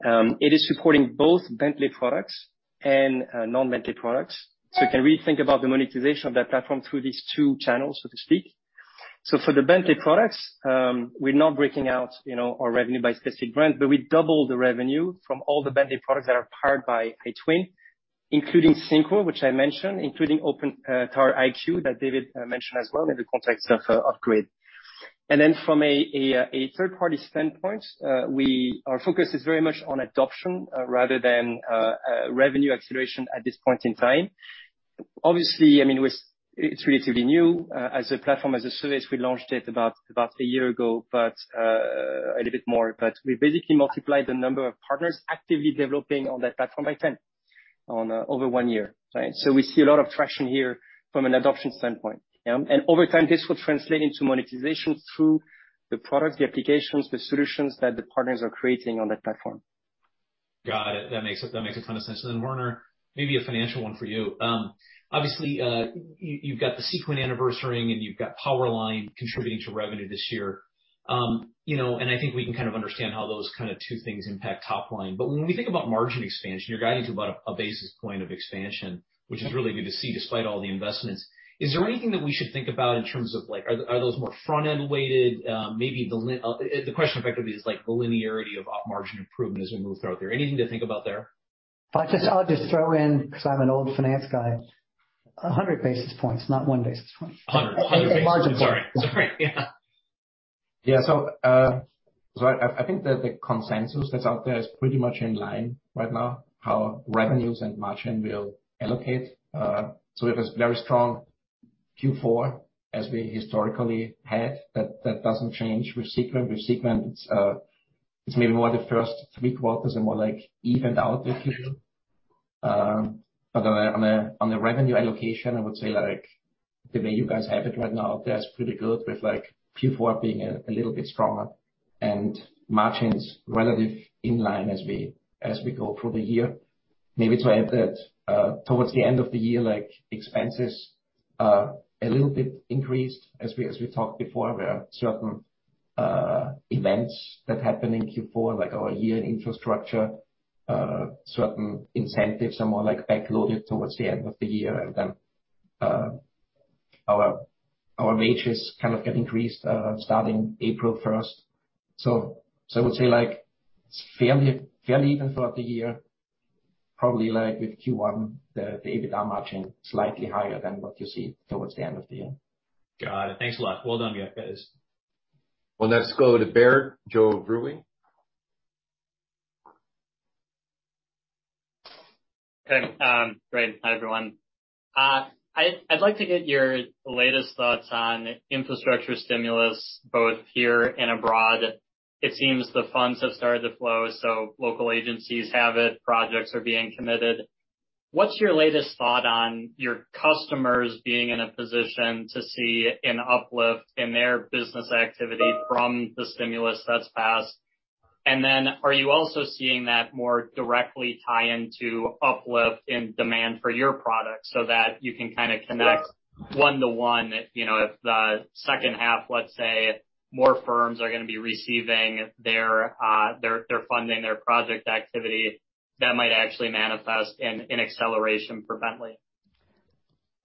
It is supporting both Bentley products and non-Bentley products. You can really think about the monetization of that platform through these two channels, so to speak. For the Bentley products, we're not breaking out, you know, our revenue by specific brand, but we double the revenue from all the Bentley products that are powered by iTwin, including SYNCHRO, which I mentioned, including OpenTower iQ, that David mentioned as well in the context of grid. Then from a third-party standpoint, our focus is very much on adoption rather than revenue acceleration at this point in time. Obviously, I mean, it's relatively new as a platform as a service. We launched it about a year ago, but a little bit more. We basically multiplied the number of partners actively developing on that platform by 10 over one year, right? We see a lot of traction here from an adoption standpoint, yeah. Over time, this will translate into monetization through the products, the applications, the solutions that the partners are creating on that platform. Got it. That makes a ton of sense. Werner, maybe a financial one for you. Obviously, you've got the Seequent anniversarying and you've got Power Line contributing to revenue this year. You know, and I think we can kind of understand how those kinda two things impact top line. When we think about margin expansion, you're guiding to about 1 basis points of expansion, which is really good to see despite all the investments. Is there anything that we should think about in terms of, like, are those more front-end weighted? Maybe the question effectively is like the linearity of op margin improvement as we move throughout the year. Anything to think about there? I'll just throw in, 'cause I'm an old finance guy, 100 basis points, not 1 basis point. 100 basis points. Margin point. Sorry. Yeah. Yeah. I think that the consensus that's out there pretty much in line right now, how revenues and margin will allocate. We have a very strong Q4 as we historically had. That doesn't change with Seequent. With Seequent, it's maybe more the first three quarters are more like evened out, if you will. But on a revenue allocation, I would say like the way you guys have it right now, that's pretty good, with like Q4 being a little bit stronger and margins relative in line as we go through the year. Maybe to add that towards the end of the year, like, expenses are a little bit increased as we talked before, where certain events that happen in Q4, like a year in infrastructure, certain incentives are more like backloaded towards the end of the year. Our metrics kind of get increased starting April 1st. I would say, like, it's fairly even throughout the year. Probably like with Q1, the EBITDA margin slightly higher than what you see towards the end of the year. Got it. Thanks a lot. Well done, you guys. We'll next go to Baird, Joe Vruwink. Okay. Great. Hi, everyone. I'd like to get your latest thoughts on infrastructure stimulus, both here and abroad. It seems the funds have started to flow, so local agencies have it, projects are being committed. What's your latest thought on your customers being in a position to see an uplift in their business activity from the stimulus that's passed? Are you also seeing that more directly tie into uplift in demand for your product so that you can kinda connect one to one, you know, if the second half, let's say, more firms are gonna be receiving their funding, their project activity that might actually manifest in acceleration for Bentley?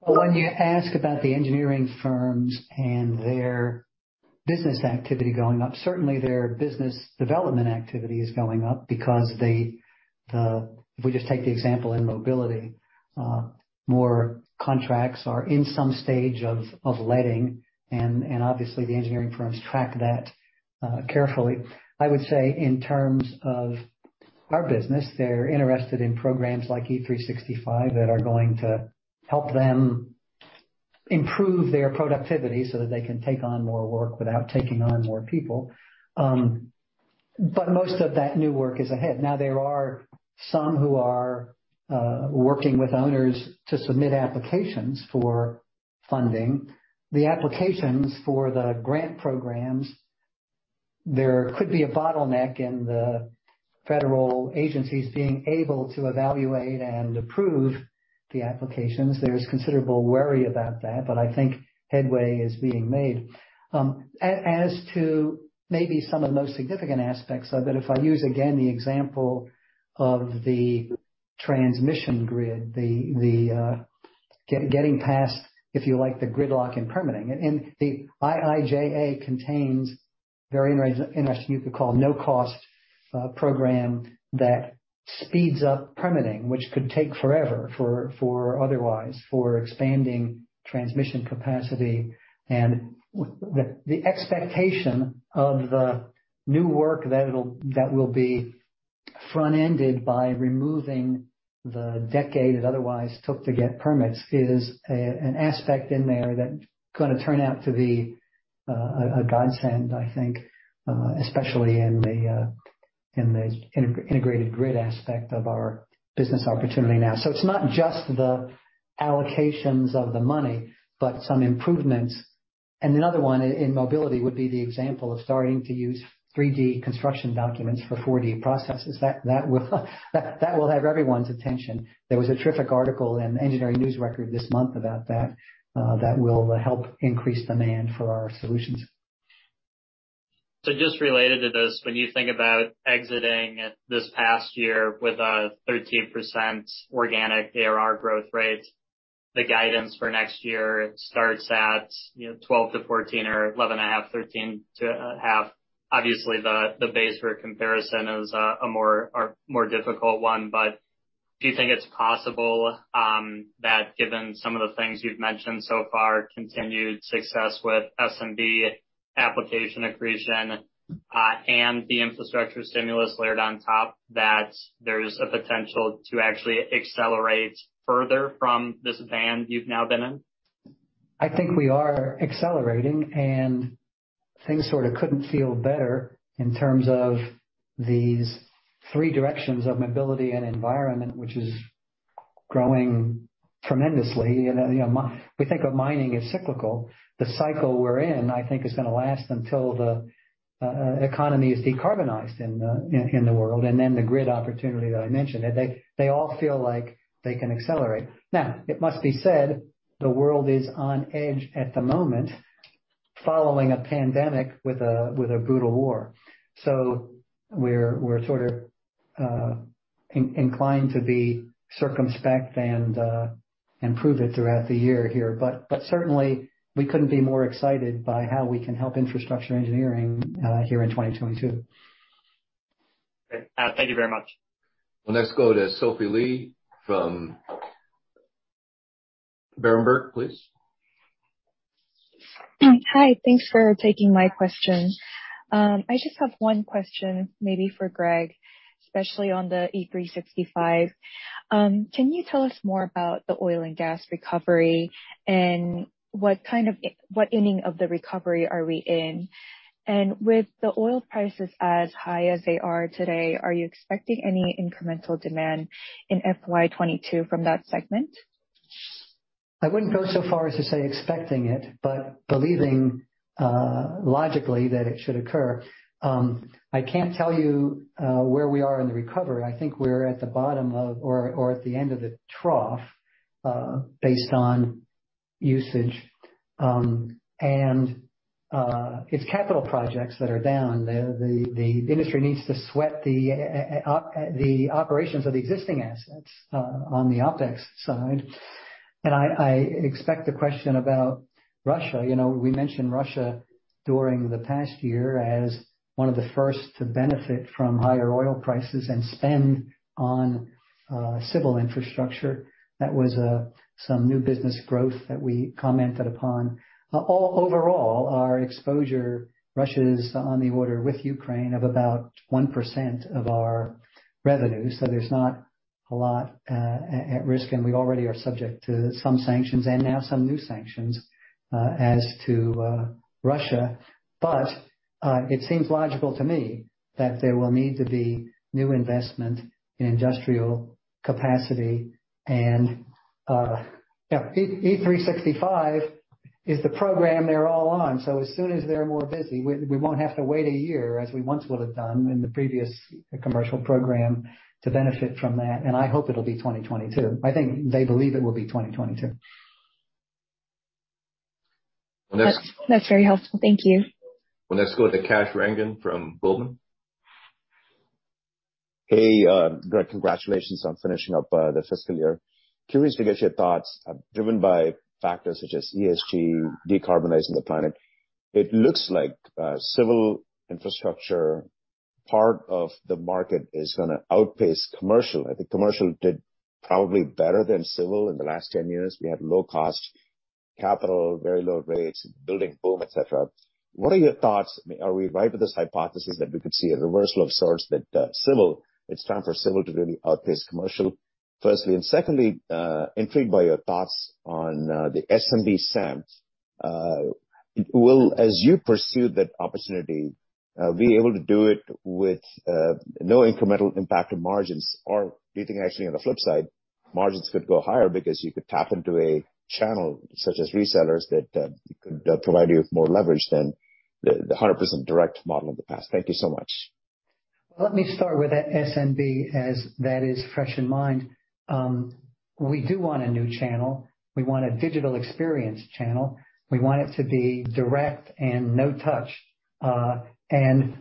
Well, when you ask about the engineering firms and their business activity going up, certainly their business development activity is going up because, if we just take the example in mobility, more contracts are in some stage of letting and obviously the engineering firms track that carefully. I would say in terms of our business, they're interested in programs like E365 that are going to help them improve their productivity so that they can take on more work without taking on more people. Most of that new work is ahead. Now, there are some who are working with owners to submit applications for funding. The applications for the grant programs, there could be a bottleneck in the federal agencies being able to evaluate and approve the applications. There's considerable worry about that, but I think headway is being made. As to maybe some of the most significant aspects of it, if I use again the example of the transmission grid, getting past, if you like, the gridlock in permitting. The IIJA contains very interesting, you could call no-cost, program that speeds up permitting, which could take forever otherwise for expanding transmission capacity. The expectation of the new work that it will be front-ended by removing the decade it otherwise took to get permits is an aspect in there that's gonna turn out to be a godsend, I think, especially in the integrated grid aspect of our business opportunity now. It's not just the allocations of the money, but some improvements. Another one in mobility would be the example of starting to use 3D construction documents for 4D processes. That will have everyone's attention. There was a terrific article in Engineering News-Record this month about that will help increase demand for our solutions. Just related to this, when you think about exiting this past year with a 13% organic ARR growth rate, the guidance for next year starts at, you know, 12%-14% or 11.5%-13.5%. Obviously, the base for comparison is a more difficult one, but do you think it's possible that given some of the things you've mentioned so far, continued success with SMB application accretion, and the infrastructure stimulus layered on top, that there's a potential to actually accelerate further from this band you've now been in? I think we are accelerating, and things sort of couldn't feel better in terms of these three directions of mobility and environment, which is growing tremendously. You know, we think of mining as cyclical. The cycle we're in, I think, is gonna last until the economy is decarbonized in the world, and then the grid opportunity that I mentioned. They all feel like they can accelerate. Now, it must be said, the world is on edge at the moment following a pandemic with a brutal war. We're sort of inclined to be circumspect and improve it throughout the year here. Certainly, we couldn't be more excited by how we can help infrastructure engineering here in 2022. Okay. Thank you very much. We'll next go to Sophie Lee from Berenberg, please. Hi. Thanks for taking my question. I just have one question maybe for Greg, especially on the E365. Can you tell us more about the oil and gas recovery, and what kind of inning of the recovery are we in? And with the oil prices as high as they are today, are you expecting any incremental demand in FY 2022 from that segment? I wouldn't go so far as to say expecting it but believing logically that it should occur. I can't tell you where we are in the recovery. I think we're at the bottom or at the end of the trough based on usage. It's capital projects that are down. The industry needs to sweat the operations of the existing assets on the OpEx side. I expect the question about Russia. You know, we mentioned Russia during the past year as one of the first to benefit from higher oil prices and spend on civil infrastructure. That was some new business growth that we commented upon. Overall, our exposure to Russia is on the order with Ukraine of about 1% of our revenue, so there's not a lot at risk, and we already are subject to some sanctions and now some new sanctions as to Russia. It seems logical to me that there will need to be new investment in industrial capacity, and E365 is the program they're all on. As soon as they're more busy, we won't have to wait a year as we once would have done in the previous commercial program to benefit from that, and I hope it'll be 2022. I think they believe it will be 2022. Let's. That's very helpful. Thank you. We'll next go to Kash Rangan from Goldman. Hey, Greg, congratulations on finishing up the fiscal year. Curious to get your thoughts. Driven by factors such as ESG, decarbonizing the planet, it looks like civil infrastructure part of the market is gonna outpace commercial. I think commercial did probably better than civil in the last 10 years. We had low cost capital, very low rates, building boom, et cetera. What are your thoughts? Are we right with this hypothesis that we could see a reversal of sorts that civil, it's time for civil to really outpace commercial, firstly? And secondly, intrigued by your thoughts on the SMB SAM. As you pursue that opportunity, will you be able to do it with no incremental impact on margins? Do you think actually on the flip side, margins could go higher because you could tap into a channel such as resellers that could provide you with more leverage than the 100% direct model in the past? Thank you so much. Well, let me start with that SMB as that is fresh in mind. We do want a new channel. We want a digital experience channel. We want it to be direct and no touch.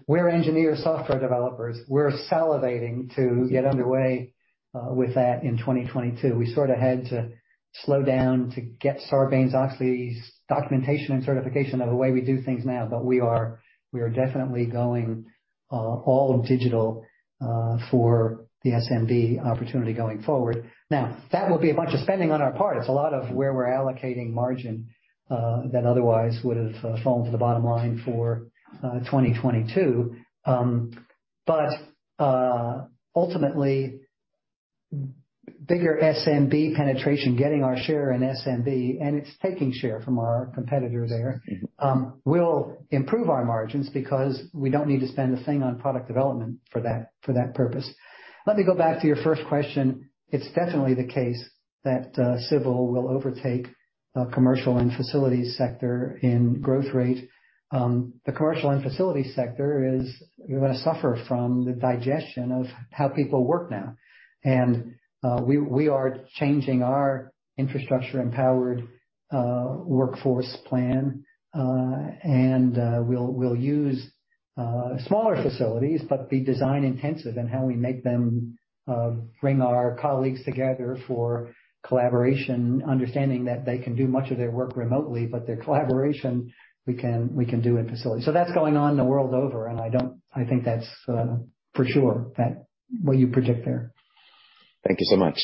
We're engineering software developers. We're salivating to get underway with that in 2022. We sort of had to slow down to get Sarbanes-Oxley's documentation and certification of the way we do things now. We are definitely going all digital for the SMB opportunity going forward. Now, that will be a bunch of spending on our part. It's a lot of where we're allocating margin that otherwise would have fallen to the bottom line for 2022. Ultimately, bigger SMB penetration, getting our share in SMB, and it's taking share from our competitor there, will improve our margins because we don't need to spend a thing on product development for that purpose. Let me go back to your first question. It's definitely the case that civil will overtake commercial and facilities sector in growth rate. The commercial and facility sector is gonna suffer from the digestion of how people work now. We are changing our infrastructure-empowered workforce plan. We'll use smaller facilities, but be design intensive in how we make them, bring our colleagues together for collaboration, understanding that they can do much of their work remotely, but their collaboration we can do in facility. That's going on the world over, and I think that's for sure that what you predict there. Thank you so much.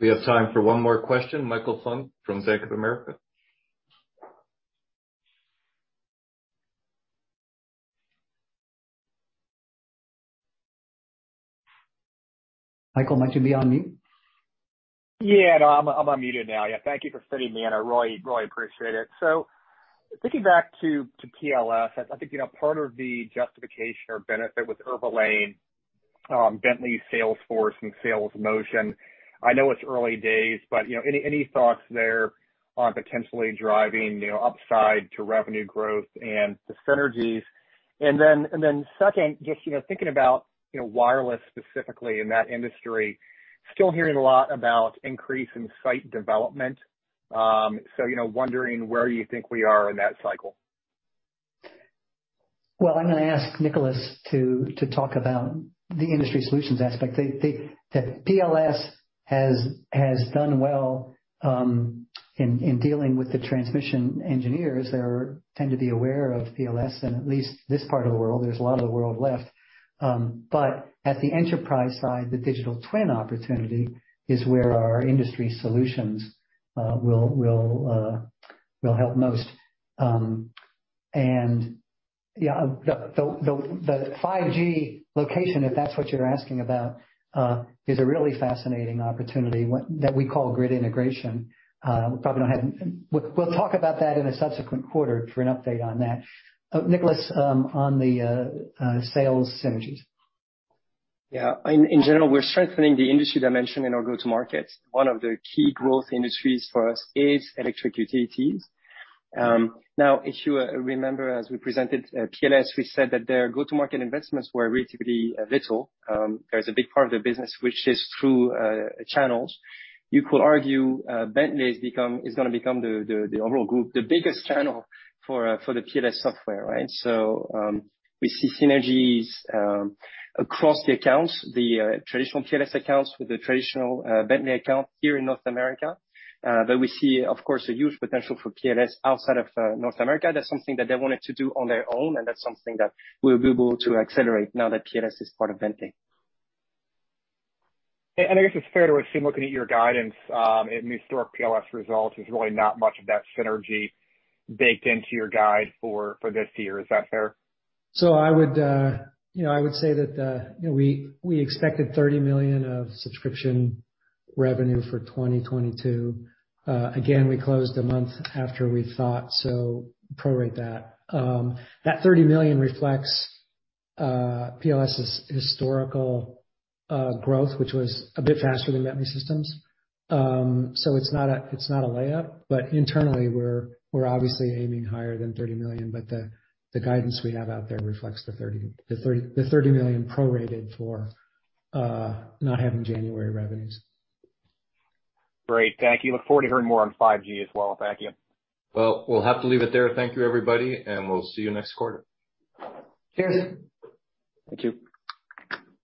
We have time for one more question. Michael Funk from Bank of America. Michael, might you be on mute? Yeah, no. I'm unmuted now. Yeah, thank you for fitting me in. I really, really appreciate it. Thinking back to PLS, I think you know, part of the justification or benefit with leveraging Bentley sales force and sales motion. I know it's early days, but you know, any thoughts there on potentially driving you know, upside to revenue growth and the synergies? Then second, just you know, thinking about you know, wireless specifically in that industry, still hearing a lot about increase in site development. So you know, wondering where you think we are in that cycle. Well, I'm gonna ask Nicholas to talk about the industry solutions aspect. The PLS has done well in dealing with the transmission engineers. They tend to be aware of PLS in at least this part of the world. There's a lot of the world left. At the enterprise side, the digital twin opportunity is where our industry solutions will help most. The 5G location, if that's what you're asking about, is a really fascinating opportunity that we call Grid Integration. We'll probably go ahead and we'll talk about that in a subsequent quarter for an update on that. Nicholas, on the sales synergies. Yeah. In general, we're strengthening the industry dimension in our go-to-market. One of the key growth industries for us is electric utilities. Now if you remember as we presented, PLS, we said that their go-to-market investments were relatively little. There's a big part of their business which is through channels. You could argue, Bentley is gonna become the overall group, the biggest channel for the PLS software, right? We see synergies across the accounts, the traditional PLS accounts with the traditional Bentley account here in North America. We see, of course, a huge potential for PLS outside of North America. That's something that they wanted to do on their own, and that's something that we'll be able to accelerate now that PLS is part of Bentley. I guess it's fair to assume, looking at your guidance, and historic PLS results, there's really not much of that synergy baked into your guide for this year. Is that fair? I would, you know, I would say that, you know, we expected $30 million of subscription revenue for 2022. Again, we closed a month after we thought, so prorate that. That $30 million reflects PLS's historical growth, which was a bit faster than Bentley Systems. It's not a layup, but internally, we're obviously aiming higher than $30 million. The guidance we have out there reflects the $30 million prorated for not having January revenues. Great. Thank you. Look forward to hearing more on 5G as well. Thank you. Well, we'll have to leave it there. Thank you, everybody, and we'll see you next quarter. Cheers. Thank you.